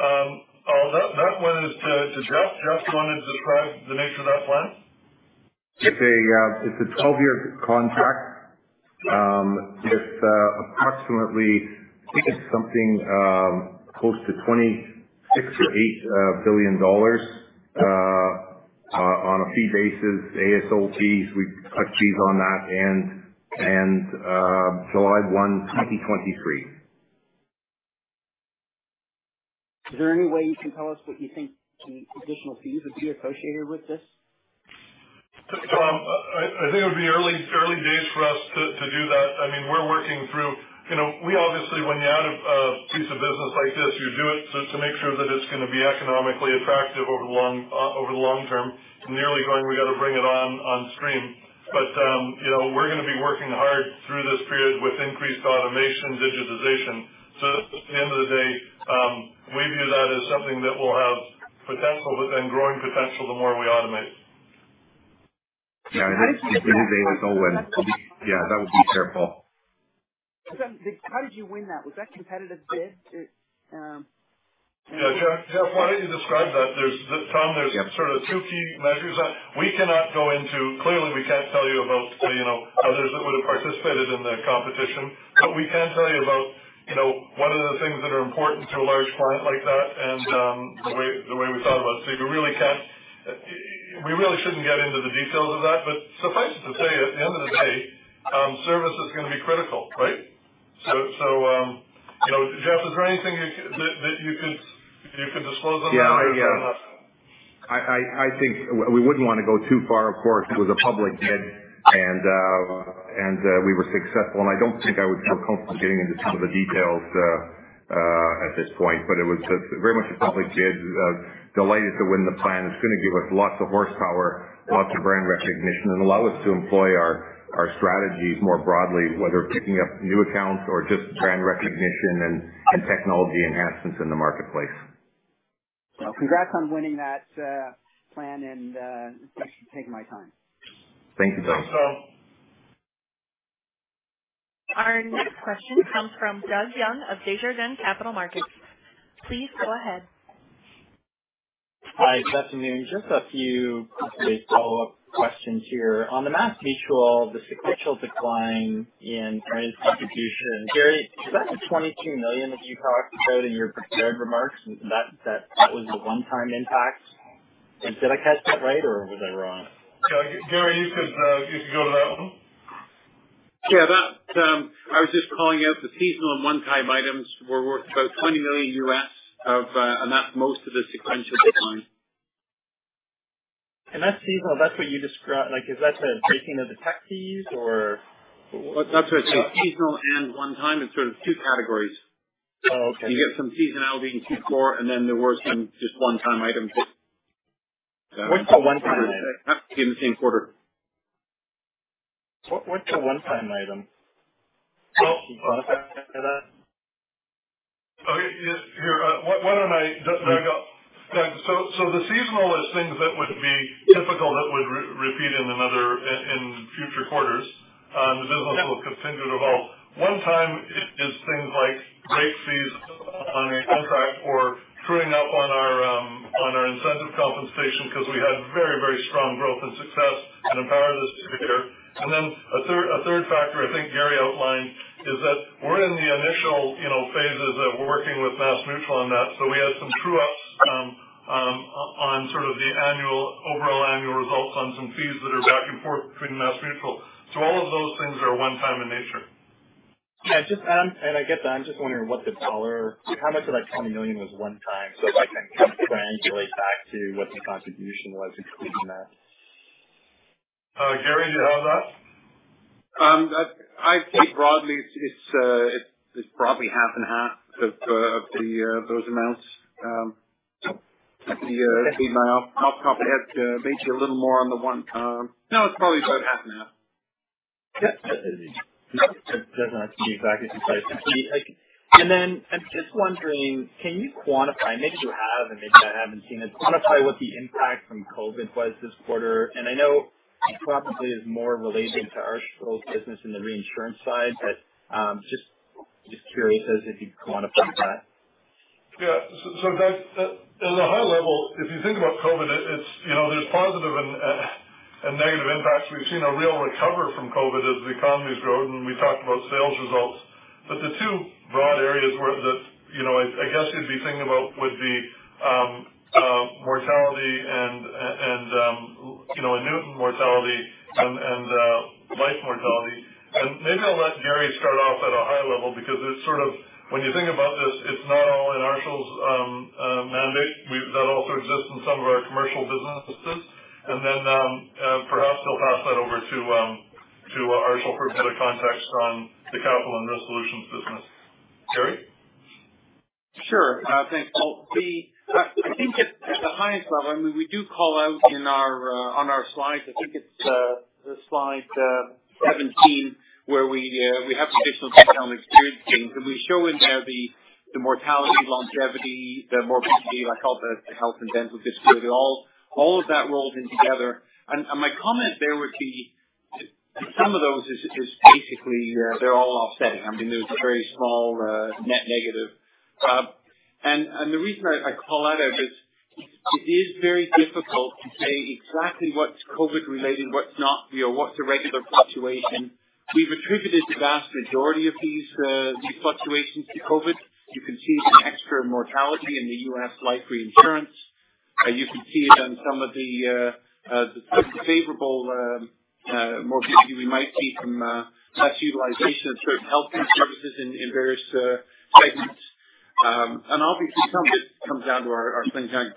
Oh, that was to Jeff. Jeff, do you want to describe the nature of that plan? It's a 12-year contract with approximately I think it's something close to 26 billion-80 billion dollars on a fee basis, ASO fees. We cut fees on that and go out in 2023. Is there any way you can tell us what you think the additional fees would be associated with this? Tom, I think it would be early days for us to do that. I mean, we're working through. You know, we obviously, when you add a piece of business like this, you do it to make sure that it's going to be economically attractive over the long term and the early going, we got to bring it on stream. You know, we're going to be working hard through this period with increased automation, digitization. At the end of the day, we view that as something that will have potential within growing potential the more we automate. Yeah. Any day is a win. Yeah, that would be careful. How did you win that? Was that competitive bid? Yeah. Jeff, why don't you describe that? Tom, there's sort of two key measures that we cannot go into. Clearly, we can't tell you about, you know, others that would have participated in the competition. We can tell you about, you know, what are the things that are important to a large client like that and the way we thought about it. We really shouldn't get into the details of that. Suffice it to say, at the end of the day, service is going to be critical, right? You know, Jeff, is there anything that you could disclose on that? Yeah. I think we wouldn't want to go too far. Of course, it was a public bid, and we were successful. I don't think I would feel comfortable getting into some of the details at this point, but it was just very much a public bid. Delighted to win the plan. It's gonna give us lots of horsepower, lots of brand recognition, and allow us to employ our strategies more broadly, whether picking up new accounts or just brand recognition and technology enhancements in the marketplace. Well, congrats on winning that plan, and thanks for taking my time. Thank you, Tom. Our next question comes from Doug Young of Desjardins Capital Markets. Please go ahead. Hi. Good afternoon. Just a few probably follow-up questions here. On the MassMutual, the sequential decline in earnings contribution, Garry, is that the 22 million that you talked about in your prepared remarks? That was the one-time impact. Did I catch that right, or was I wrong? Garry, you could go to that one. Yeah, that's. I was just calling out the seasonal and one-time items were worth about $20 million of, and that's most of the sequential decline. That's seasonal. That's what you described. Like, is that the breaking of the tech fees or? That's what I say, seasonal and one time. It's sort of two categories. Oh, okay. You get some seasonality in Q4, and then there were some just one-time items that. What's the one-time item? In the same quarter. What's the one time item? Can you quantify that? The seasonal is things that would be typical that would repeat in another, in future quarters, and the business will continue to evolve. One time is things like break fees on a contract or truing up on our, on our incentive compensation because we had very strong growth and success in Empower this year. Then a third factor I think Garry outlined is that we're in the initial, you know, phases of working with MassMutual on that. We had some true ups, on sort of the annual, overall annual results on some fees that are back and forth between MassMutual. All of those things are one time in nature. Yeah, I get that. I'm just wondering what the dollar, how much of that 20 million was one time, so if I can kind of triangulate back to what the contribution was excluding that. Garry, do you have that? I think broadly it's probably half and half of those amounts. Yeah, I'd probably have to read up a little more on the one time. No, it's probably about half now. Yeah. It doesn't have to be exactly precise. I'm just wondering, can you quantify, maybe you have and maybe I haven't seen it, quantify what the impact from COVID was this quarter. I know it probably is more related to Arshil's business in the reinsurance side. Just curious if you quantify that. Yeah. So, Doug, at a high level, if you think about COVID, it's, you know, there's positive and negative impacts. We've seen a real recovery from COVID as the economy's grown, and we talked about sales results. But the two broad areas where you'd be thinking about would be mortality and morbidity and life mortality. Maybe I'll let Garry start off at a high level because it's sort of when you think about this, it's not all in Arshil's mandate. That also exists in some of our commercial businesses. Then perhaps he'll pass that over to Arshil for better context on the Capital and Risk Solutions business. Garry? Sure. Thanks. Well, I think at the highest level, I mean, we do call out on our slides, I think it's the slide 17, where we have traditional retail and experience gains. We show in there the mortality, longevity, the morbidity like health and dental disability, all of that rolled in together. My comment there would be some of those is basically, they're all offsetting. I mean, there's very small net negative. The reason I call out is it is very difficult to say exactly what's COVID related, what's not, you know, what's a regular fluctuation. We've attributed the vast majority of these fluctuations to COVID. You can see some extra mortality in the U.S. life reinsurance. You can see it on some of the favorable morbidity we might see from less utilization of certain health care services in various segments. Obviously some of it comes down to our claims management.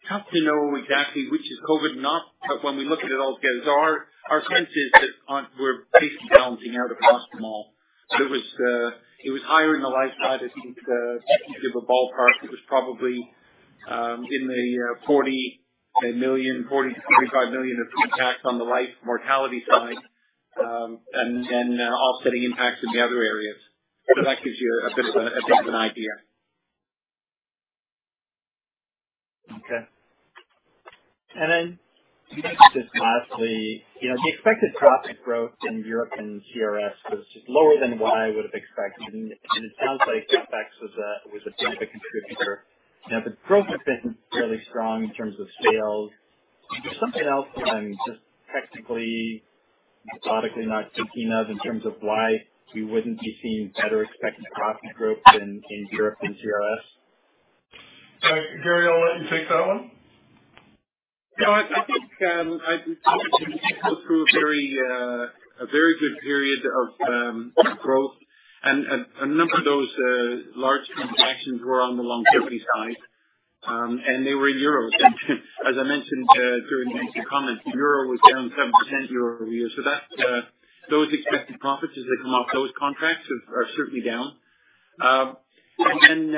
It's tough to know exactly which is COVID and not, but when we look at it all together, our sense is that we're basically balancing out across them all. It was higher in the life side. I think to give a ballpark, it was probably 40 million-45 million of impact on the life mortality side, and offsetting impacts in the other areas. That gives you a bit of an idea. Okay. Just lastly, you know, the expected profit growth in European CRS was just lower than what I would have expected, and it sounds like FX was a bit of a contributor. Now, the growth has been fairly strong in terms of sales. Is there something else that I'm just technically, methodically not thinking of in terms of why we wouldn't be seeing better expected profit growth in Europe and CRS? Garry, I'll let you take that one. No, I think we went through a very good period of growth. A number of those large transactions were on the longevity side. They were in euros. As I mentioned during the opening comments, the euro was down 7% year-over-year. So that those expected profits, as they come off those contracts, are certainly down. Then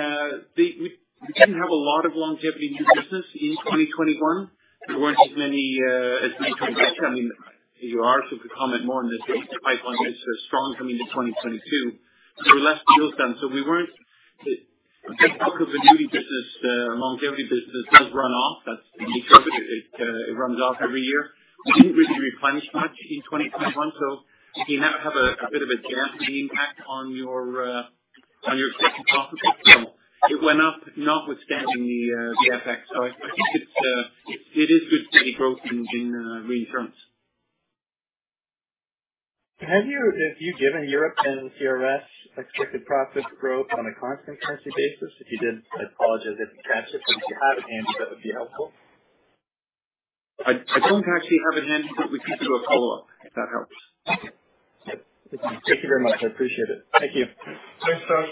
we didn't have a lot of longevity new business in 2021. There weren't as many transactions. I mean, so if you comment more on this, the pipeline is strong coming into 2022. Less deals done. So we weren't the bulk annuity business, the longevity business does run off. That's because it runs off every year. We didn't really replenish much in 2021, so you now have a bit of a dampening impact on your expected profits. It went up notwithstanding the FX. I think it is good steady growth in reinsurance. Have you given Europe and CRS expected profit growth on a constant currency basis? If you did, I apologize if I missed it. If you have it handy, that would be helpful. I don't actually have it handy, but we can do a follow-up, if that helps. Okay. Yep. Thank you very much. I appreciate it. Thank you. Thanks, Doug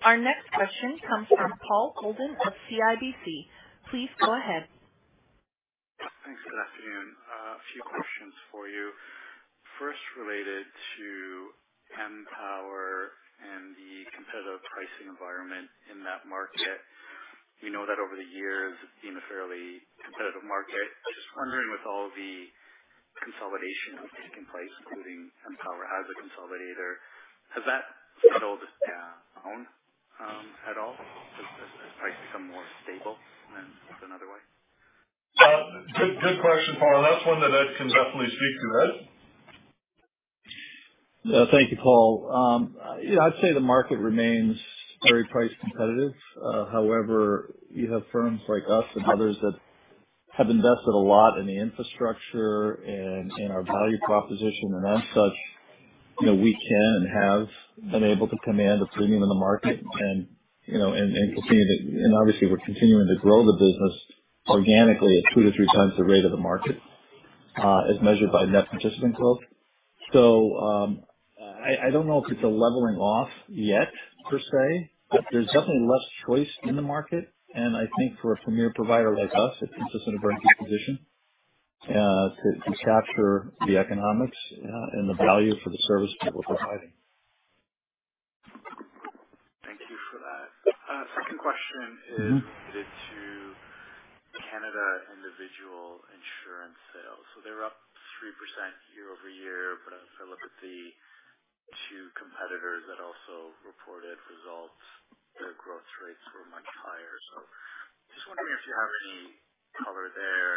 Young. Our next question comes from Paul Holden of CIBC. Please go ahead. Thanks. Good afternoon. A few questions for you. First, related to Empower and the competitive pricing environment in that market. We know that over the years it's been a fairly competitive market. Just wondering, with all the consolidation that's taking place, including Empower as a consolidator, has that settled down at all as prices become more stable and put another way? Good question, Paul. That's one that Ed can definitely speak to. Ed? Yeah. Thank you, Paul. Yeah, I'd say the market remains very price competitive. However, you have firms like us and others that have invested a lot in the infrastructure and in our value proposition. As such, you know, we can and have been able to command a premium in the market and, you know. Obviously, we're continuing to grow the business organically at 2x-3x the rate of the market, as measured by net participant growth. I don't know if it's a leveling off yet per se, but there's definitely less choice in the market. I think for a premier provider like us, it puts us in a very good position to capture the economics and the value for the service that we're providing. Thank you for that. Second question is related to Canada individual insurance sales. They're up 3% year-over-year. As I look at the two competitors that also reported results, their growth rates were much higher. Just wondering if you have any color there,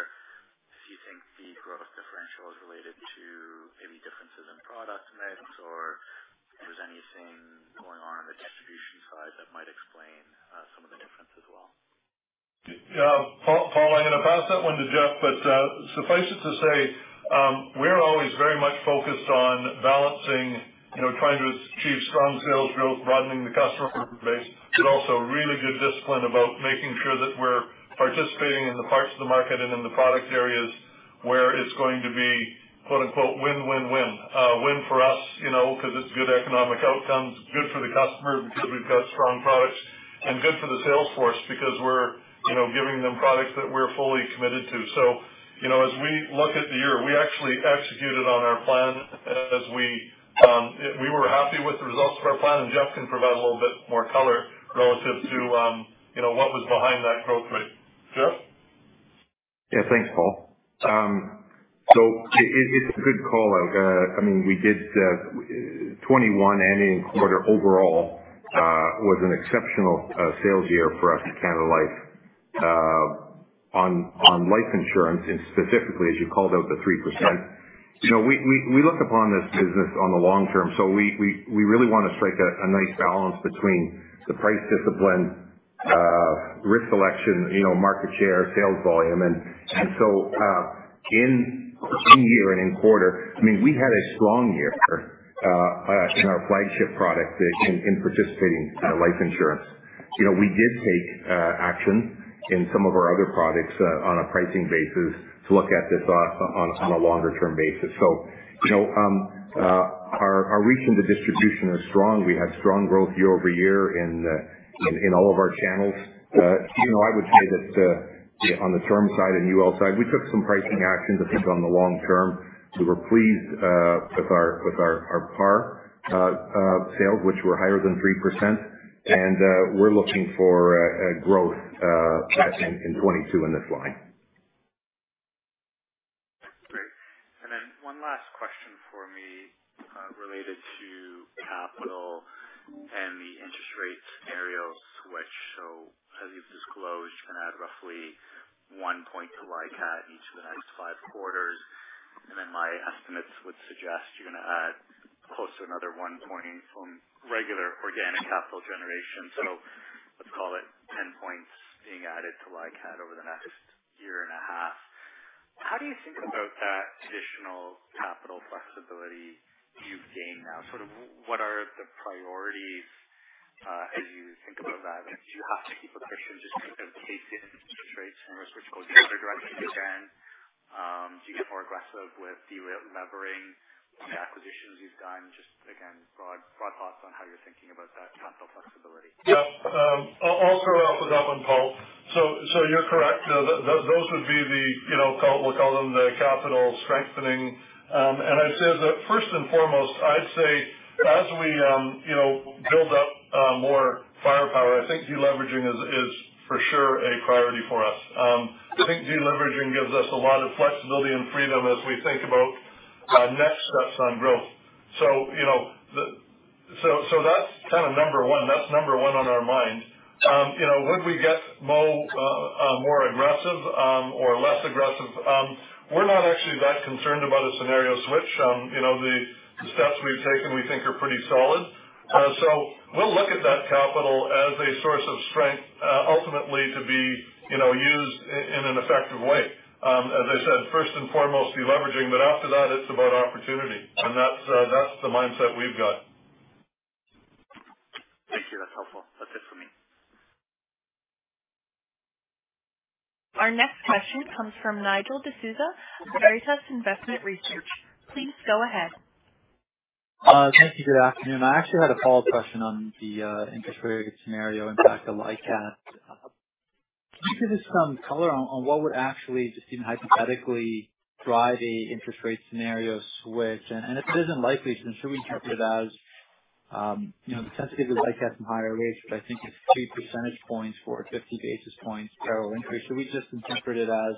if you think the growth differential is related to maybe differences in product mix or if there's anything going on in the distribution side that might explain some of the difference as well. Yeah. Paul, I'm gonna pass that one to Jeff, but suffice it to say, we're always very much focused on balancing, you know, trying to achieve strong sales growth, broadening the customer base, but also really good discipline about making sure that we're participating in the parts of the market and in the product areas where it's going to be, quote-unquote, "win, win." Win for us, you know, because it's good economic outcomes. It's good for the customer because we've got strong products. Good for the sales force because we're, you know, giving them products that we're fully committed to. You know, as we look at the year, we actually executed on our plan as we were happy with the results of our plan. Jeff can provide a little bit more color relative to, you know, what was behind that growth rate. Jeff? Yeah. Thanks, Paul. So it is a good call out. I mean, we did 2021 annual quarter overall was an exceptional sales year for us at Canada Life on life insurance, and specifically as you called out the 3%. You know, we look upon this business on the long term. We really want to strike a nice balance between the price discipline, risk selection, you know, market share, sales volume. In year and in quarter, I mean, we had a strong year in our flagship product in participating life insurance. You know, we did take action in some of our other products on a pricing basis to look at this on a longer term basis. You know, our reach into distribution is strong. We had strong growth year-over-year in all of our channels. You know, I would say that on the term side and UL side, we took some pricing actions I think on the long term. We were pleased with our PAR sales, which were higher than 3%. We're looking for growth in 2022 in this line. Great. One last question for me, related to capital and the interest rate scenario switch. As you've disclosed, you're gonna add roughly 1 point to LICAT each of the next 5 quarters. My estimates would suggest you're gonna add close to another 1 point from regular organic capital generation. Let's call it 10 points being added to LICAT over the next year and a half. How do you think about that additional capital flexibility you've gained now? Sort of what are the priorities, as you think about that? I mean, do you have to keep a cushion just in case interest rates and risks go the other direction again? Do you get more aggressive with de-levering any acquisitions you've done? Just again, broad thoughts on how you're thinking about that capital flexibility. Yeah. I'll start off with that one, Paul. You're correct. Those would be the, you know, we'll call them the capital strengthening. I'd say as a first and foremost, I'd say as we, you know, build up, more firepower, I think de-leveraging is for sure a priority for us. I think de-leveraging gives us a lot of flexibility and freedom as we think about, next steps on growth. You know, that's kind of number one. That's number one on our mind. You know, would we get more aggressive, or less aggressive? We're not actually that concerned about a scenario switch. You know, the steps we've taken, we think are pretty solid. We'll look at that capital as a source of strength, ultimately to be, you know, used in an effective way. As I said, first and foremost, de-leveraging, but after that it's about opportunity. That's the mindset we've got. Thank you. That's helpful. That's it for me. Our next question comes from Nigel D'Souza of Veritas Investment Research. Please go ahead. Thank you. Good afternoon. I actually had a follow-up question on the interest rate scenario impact of LICAT. Can you give us some color on what would actually just even hypothetically drive an interest rate scenario switch? If it isn't likely, should we interpret it as, you know, the sensitivity of LICAT from higher rates, which I think is 2 percentage points for a 50 basis points parallel increase. Should we just interpret it as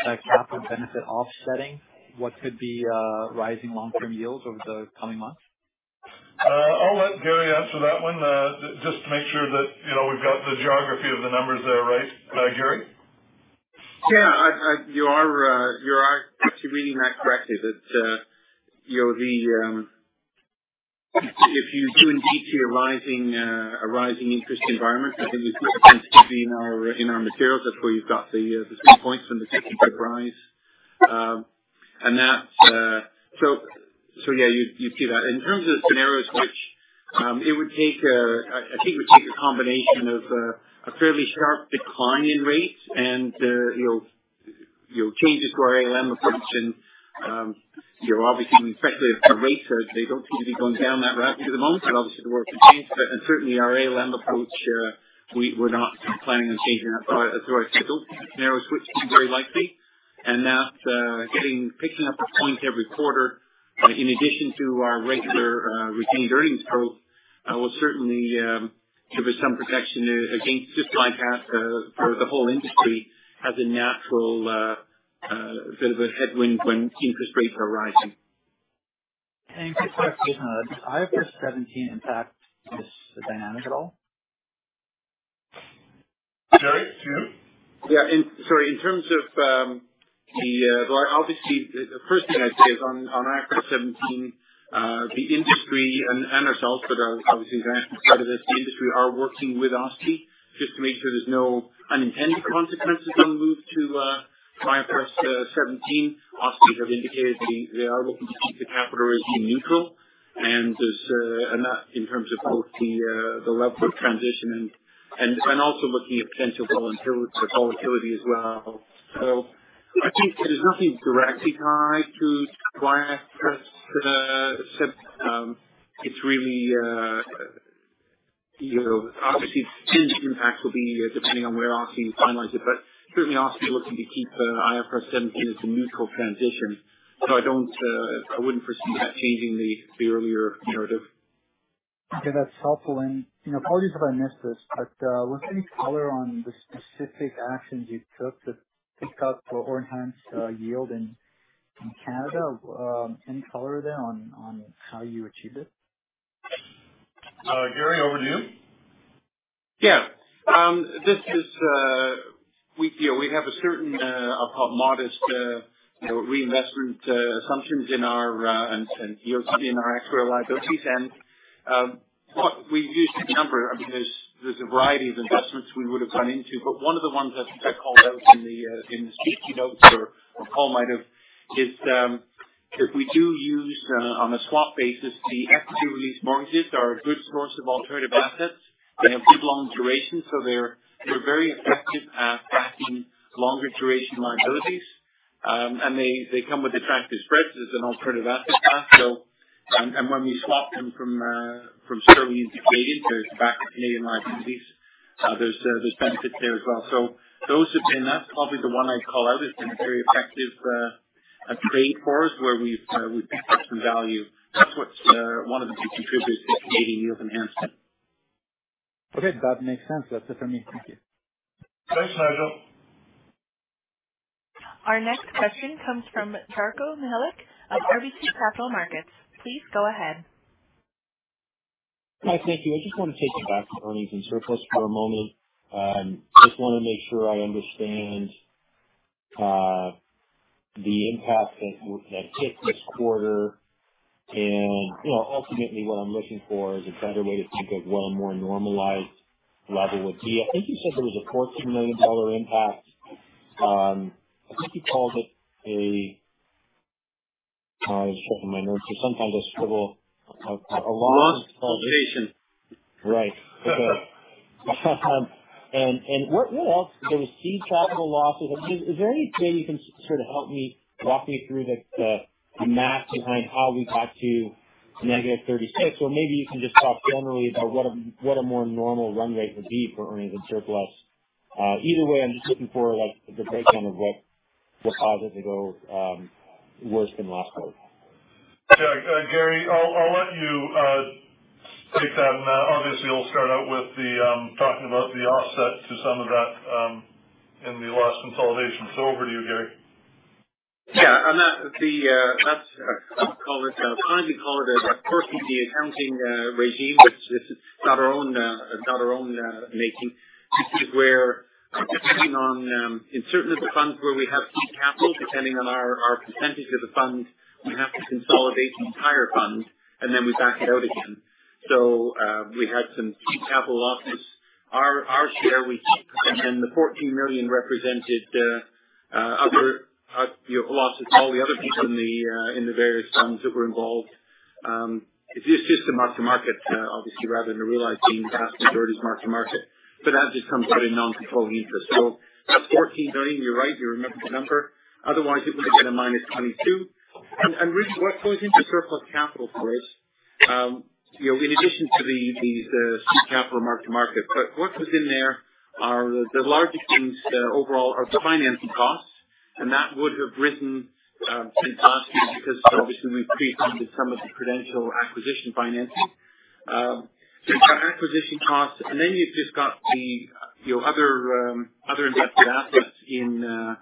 a capital benefit offsetting what could be rising long-term yields over the coming months? I'll let Garry answer that one. Just to make sure that, you know, we've got the geography of the numbers there right. Garry? Yeah. You are actually reading that correctly. If you do indeed see a rising interest environment, I think you see the sensitivity in our materials. That's where you've got the three points from the 50 basis point rise. Yeah, you see that. In terms of scenario switch, it would take a combination of a fairly sharp decline in rates and changes to our ALM approach. You know, obviously we're sensitive to rates, so they don't seem to be going down that route for the moment, but obviously the world can change. Certainly our ALM approach, we're not planning on changing that through our schedule. Scenario switch seems very likely, and that, picking up a point every quarter, in addition to our regular retained earnings growth, will certainly give us some protection there. I think just like us, the whole industry has a natural bit of a headwind when interest rates are rising. Just sort of based on the IFRS 17 impact, is this the dynamic at all? Garry, to you. Sorry. In terms of, well obviously the first thing I'd say is on IFRS 17, the industry and ourselves that are obviously the financial side of this, the industry are working with OSFI just to make sure there's no unintended consequences on the move to IFRS 17. OSFI have indicated they are looking to keep the capital regime neutral. As and that in terms of both the level of transition and also looking at potential volatility as well. I think there's nothing directly tied to IFRS 17. It's really, you know, obviously the impact will be depending on where OSFI finalize it, but certainly OSFI are looking to keep IFRS 17 as a neutral transition. I wouldn't foresee that changing the earlier narrative. Okay. That's helpful. You know, apologies if I missed this, but was any color on the specific actions you took to pick up or enhance yield in Canada? Any color there on how you achieved it? Garry, over to you. Yeah. We, you know, we have a certain, I'll call modest, you know, reinvestment assumptions in our and yield in our actual liabilities. What we've used in the number, I mean, there's a variety of investments we would've gone into, but one of the ones I called out in the safety notes or Paul might have, is if we do use on a swap basis, the equity release mortgages are a good source of alternative assets. They have good long duration, so they're very effective at packing longer duration liabilities. And they come with attractive spreads as an alternative asset class. And when we swap them from sterling into Canadian, they're backed Canadian liabilities, there's benefits there as well. Those have been. That's probably the one I'd call out. It's been a very effective trade for us where we've picked up some value. That's what's one of the key contributors to Canadian yield enhancement. Okay, that makes sense. That's it for me. Thank you. Thanks, Nigel. Our next question comes from Darko Mihelic of RBC Capital Markets. Please go ahead. Hi. Thank you. I just want to take you back to earnings and surplus for a moment. Just wanna make sure I understand the impact that hit this quarter. You know, ultimately what I'm looking for is a better way to think of what a more normalized level would be. I think you said there was a 14 million dollar impact. I think you called it a. Shuffling my notes. So sometimes I scribble a loss. Loss consolidation. Right. Okay. And what else? There was seed capital losses. Is there anything you can sort of walk me through the math behind how we got to -36? Or maybe you can just talk generally about what a more normal run rate would be for earnings and surplus. Either way, I'm just looking for, like, the breakdown of what causes it to go worse than last quarter. Garry, I'll let you take that. Obviously you'll start out with the talking about the offset to some of that in the last consolidation. Over to you, Garry. I would kindly call it a courtship, the accounting regime, which is not of our own making. This is where, depending on in certain of the funds where we have seed capital, depending on our percentage of the fund, we have to consolidate the entire fund and then we back it out again. We had some seed capital losses. Our share we keep, and then the 14 million represented other losses, all the other people in the various funds that were involved. It's just a mark-to-market, obviously, rather than a realized gain or loss, converted mark-to-market. But as it comes with a non-controlling interest. That 14 million, you're right, you remembered the number. Otherwise it would have been -22. Really what goes into surplus capital, Chris, you know, in addition to the seed capital mark-to-market, but what was in there are the largest things overall are financing costs. That would have risen since last year because obviously we've pre-funded some of the Prudential acquisition financing. You've got acquisition costs and then you've just got the, you know, other invested assets in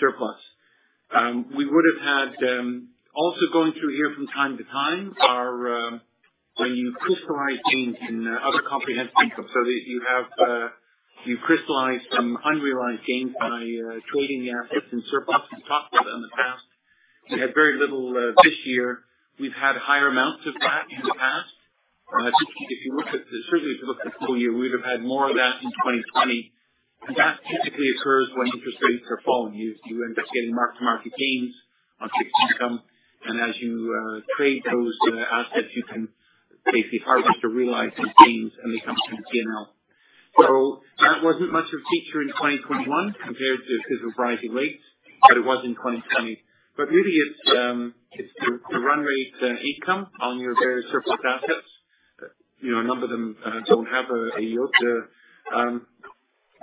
surplus. We would have had also going through here from time to time are when you crystallize gains in other comprehensive income, so that you crystallize some unrealized gains by trading assets and surplus. We've talked about that in the past. We had very little this year. We've had higher amounts of that in the past. Certainly if you look at the full year, we would have had more of that in 2020. That typically occurs when interest rates are falling. You end up getting mark-to-market gains on fixed income. As you trade those assets, you can basically harvest or realize those gains, and they come through to P&L. That wasn't much of a feature in 2021 compared to the rising rates, but it was in 2020. Really it's the run rate income on your various surplus assets. You know, a number of them don't have a yield there.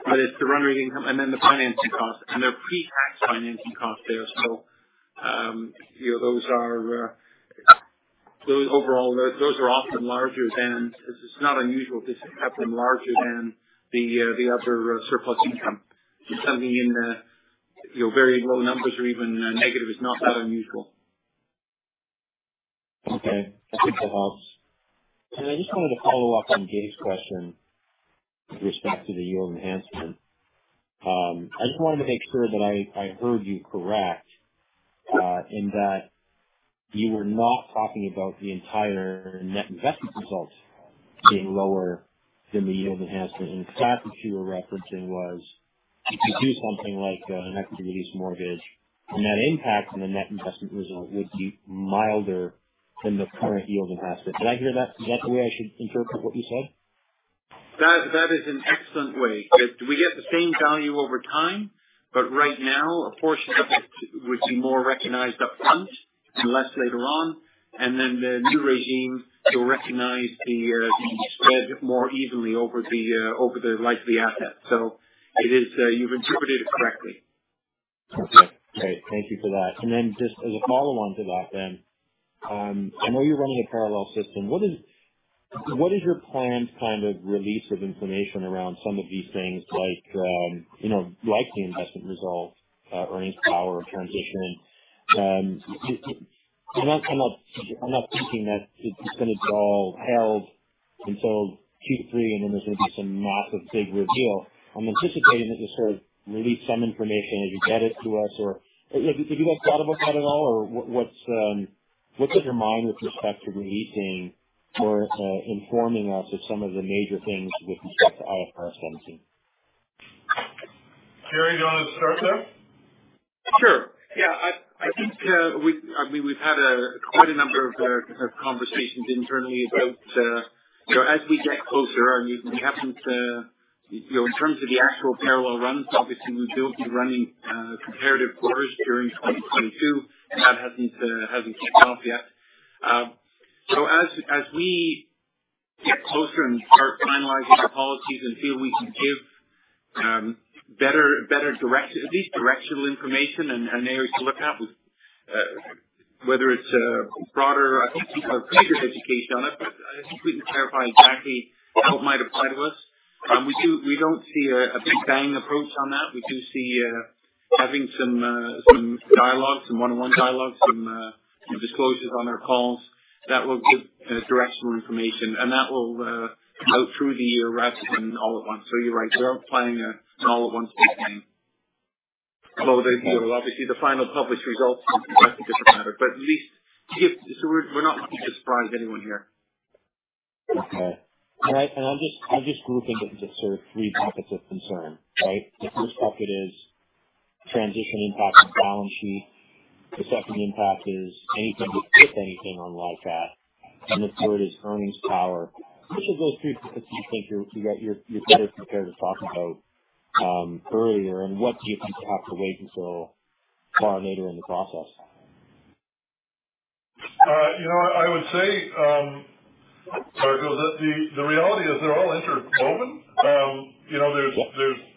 It's the run rate income and then the financing costs. They're pre-tax financing costs there. You know, those overall are often larger than the other surplus income. It's just not unusual to have them larger than the other surplus income. You know, having them in very low numbers or even negative is not that unusual. Okay. I think that helps. I just wanted to follow up on Gabe's question with respect to the yield enhancement. I just wanted to make sure that I heard you correctly, in that you were not talking about the entire net investment results being lower than the yield enhancement. In fact, what you were referencing was if you do something like an equity release mortgage, and that impact on the net investment result would be milder than the current yield enhancement. Did I hear that? Is that the way I should interpret what you said? That is an excellent way. We get the same value over time, but right now a portion of it would be more recognized upfront and less later on. Then the new regime will recognize the spread more evenly over the life of the asset. It is, you've interpreted it correctly. Okay, great. Thank you for that. Just as a follow on to that, I know you're running a parallel system. What is your planned kind of release of information around some of these things like, you know, like the investment result, earnings power transition? I'm not thinking that it's just gonna be all held until Q3 and then there's gonna be some massive big reveal. I'm anticipating that you'll sort of release some information as you get it to us or. Have you guys thought about that at all? Or what's on your mind with respect to releasing or, informing us of some of the major things with respect to IFRS 17? Garry, do you want to start there? Sure. Yeah. I think I mean we've had quite a number of conversations internally about you know as we get closer. I mean we haven't you know in terms of the actual parallel runs obviously we will be running comparative quarters during 2022. That hasn't kicked off yet. As we get closer and start finalizing the policies and feel we can give better at least directional information and areas to look at whether it's a broader I think people have greater education on it but I think we can clarify exactly how it might apply to us. We don't see a big bang approach on that. We do see having some dialogues, some one-on-one dialogues, some disclosures on our calls that will give directional information. That will roll out through the year rather than all at once. You're right, we aren't planning an all at once big bang. Although, obviously, the final published results will be quite a different matter. At least to give, so we're not looking to surprise anyone here. Okay. All right. I'll just group into just sort of three buckets of concern, right? The first bucket is transition impact on balance sheet. The second impact is anything on LICAT. The third is earnings power. Which of those three do you think you're better prepared to talk about earlier? What do you think will have to wait until far later in the process? You know what, I would say, the reality is they're all interwoven. You know,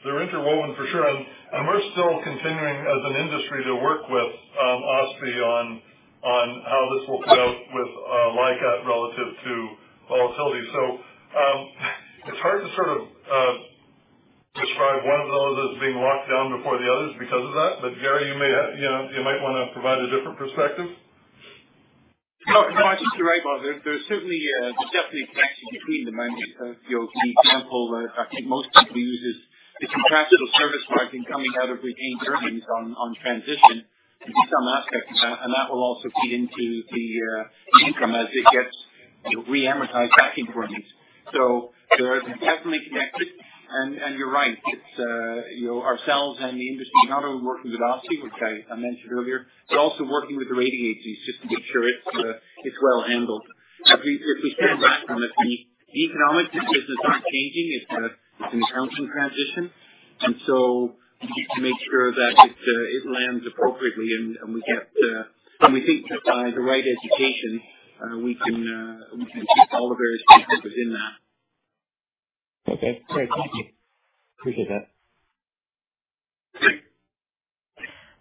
they're interwoven for sure. We're still continuing as an industry to work with OSFI on how this will play out with LICAT relative to volatility. It's hard to sort of describe one of those as being locked down before the others because of that. But Garry, you may have, you know, you might want to provide a different perspective. No, no, I think you're right, Bob. There's certainly a definite connection between them. I mean, you know, the example that I think most people use is the contractual service margin coming out of retained earnings on transition and some aspects of that, and that will also feed into the income as it gets, you know, reamortized back in earnings. They're definitely connected. You're right. It's, you know, ourselves and the industry not only working with OSFI, which I mentioned earlier, but also working with the rating agencies just to make sure it's well handled. If we stand back from this, the economics of the business aren't changing. It's an accounting transition. We need to make sure that it lands appropriately and we think that by the right education, we can keep all the various pieces within that. Okay, great. Thank you. Appreciate that.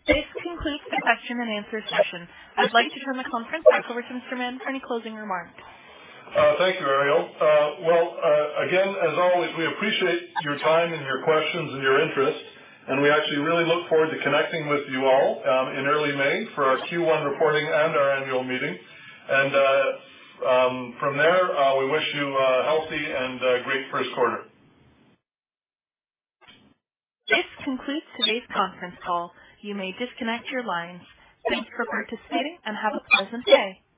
This concludes the question and answer session. I'd like to turn the conference back over to Mr. Mahon for any closing remarks. Thank you, Ariel. Well, again, as always, we appreciate your time and your questions and your interest, and we actually really look forward to connecting with you all, in early May for our Q1 reporting and our annual meeting. From there, we wish you a healthy and a great first quarter. This concludes today's conference call. You may disconnect your lines. Thanks for participating and have a pleasant day.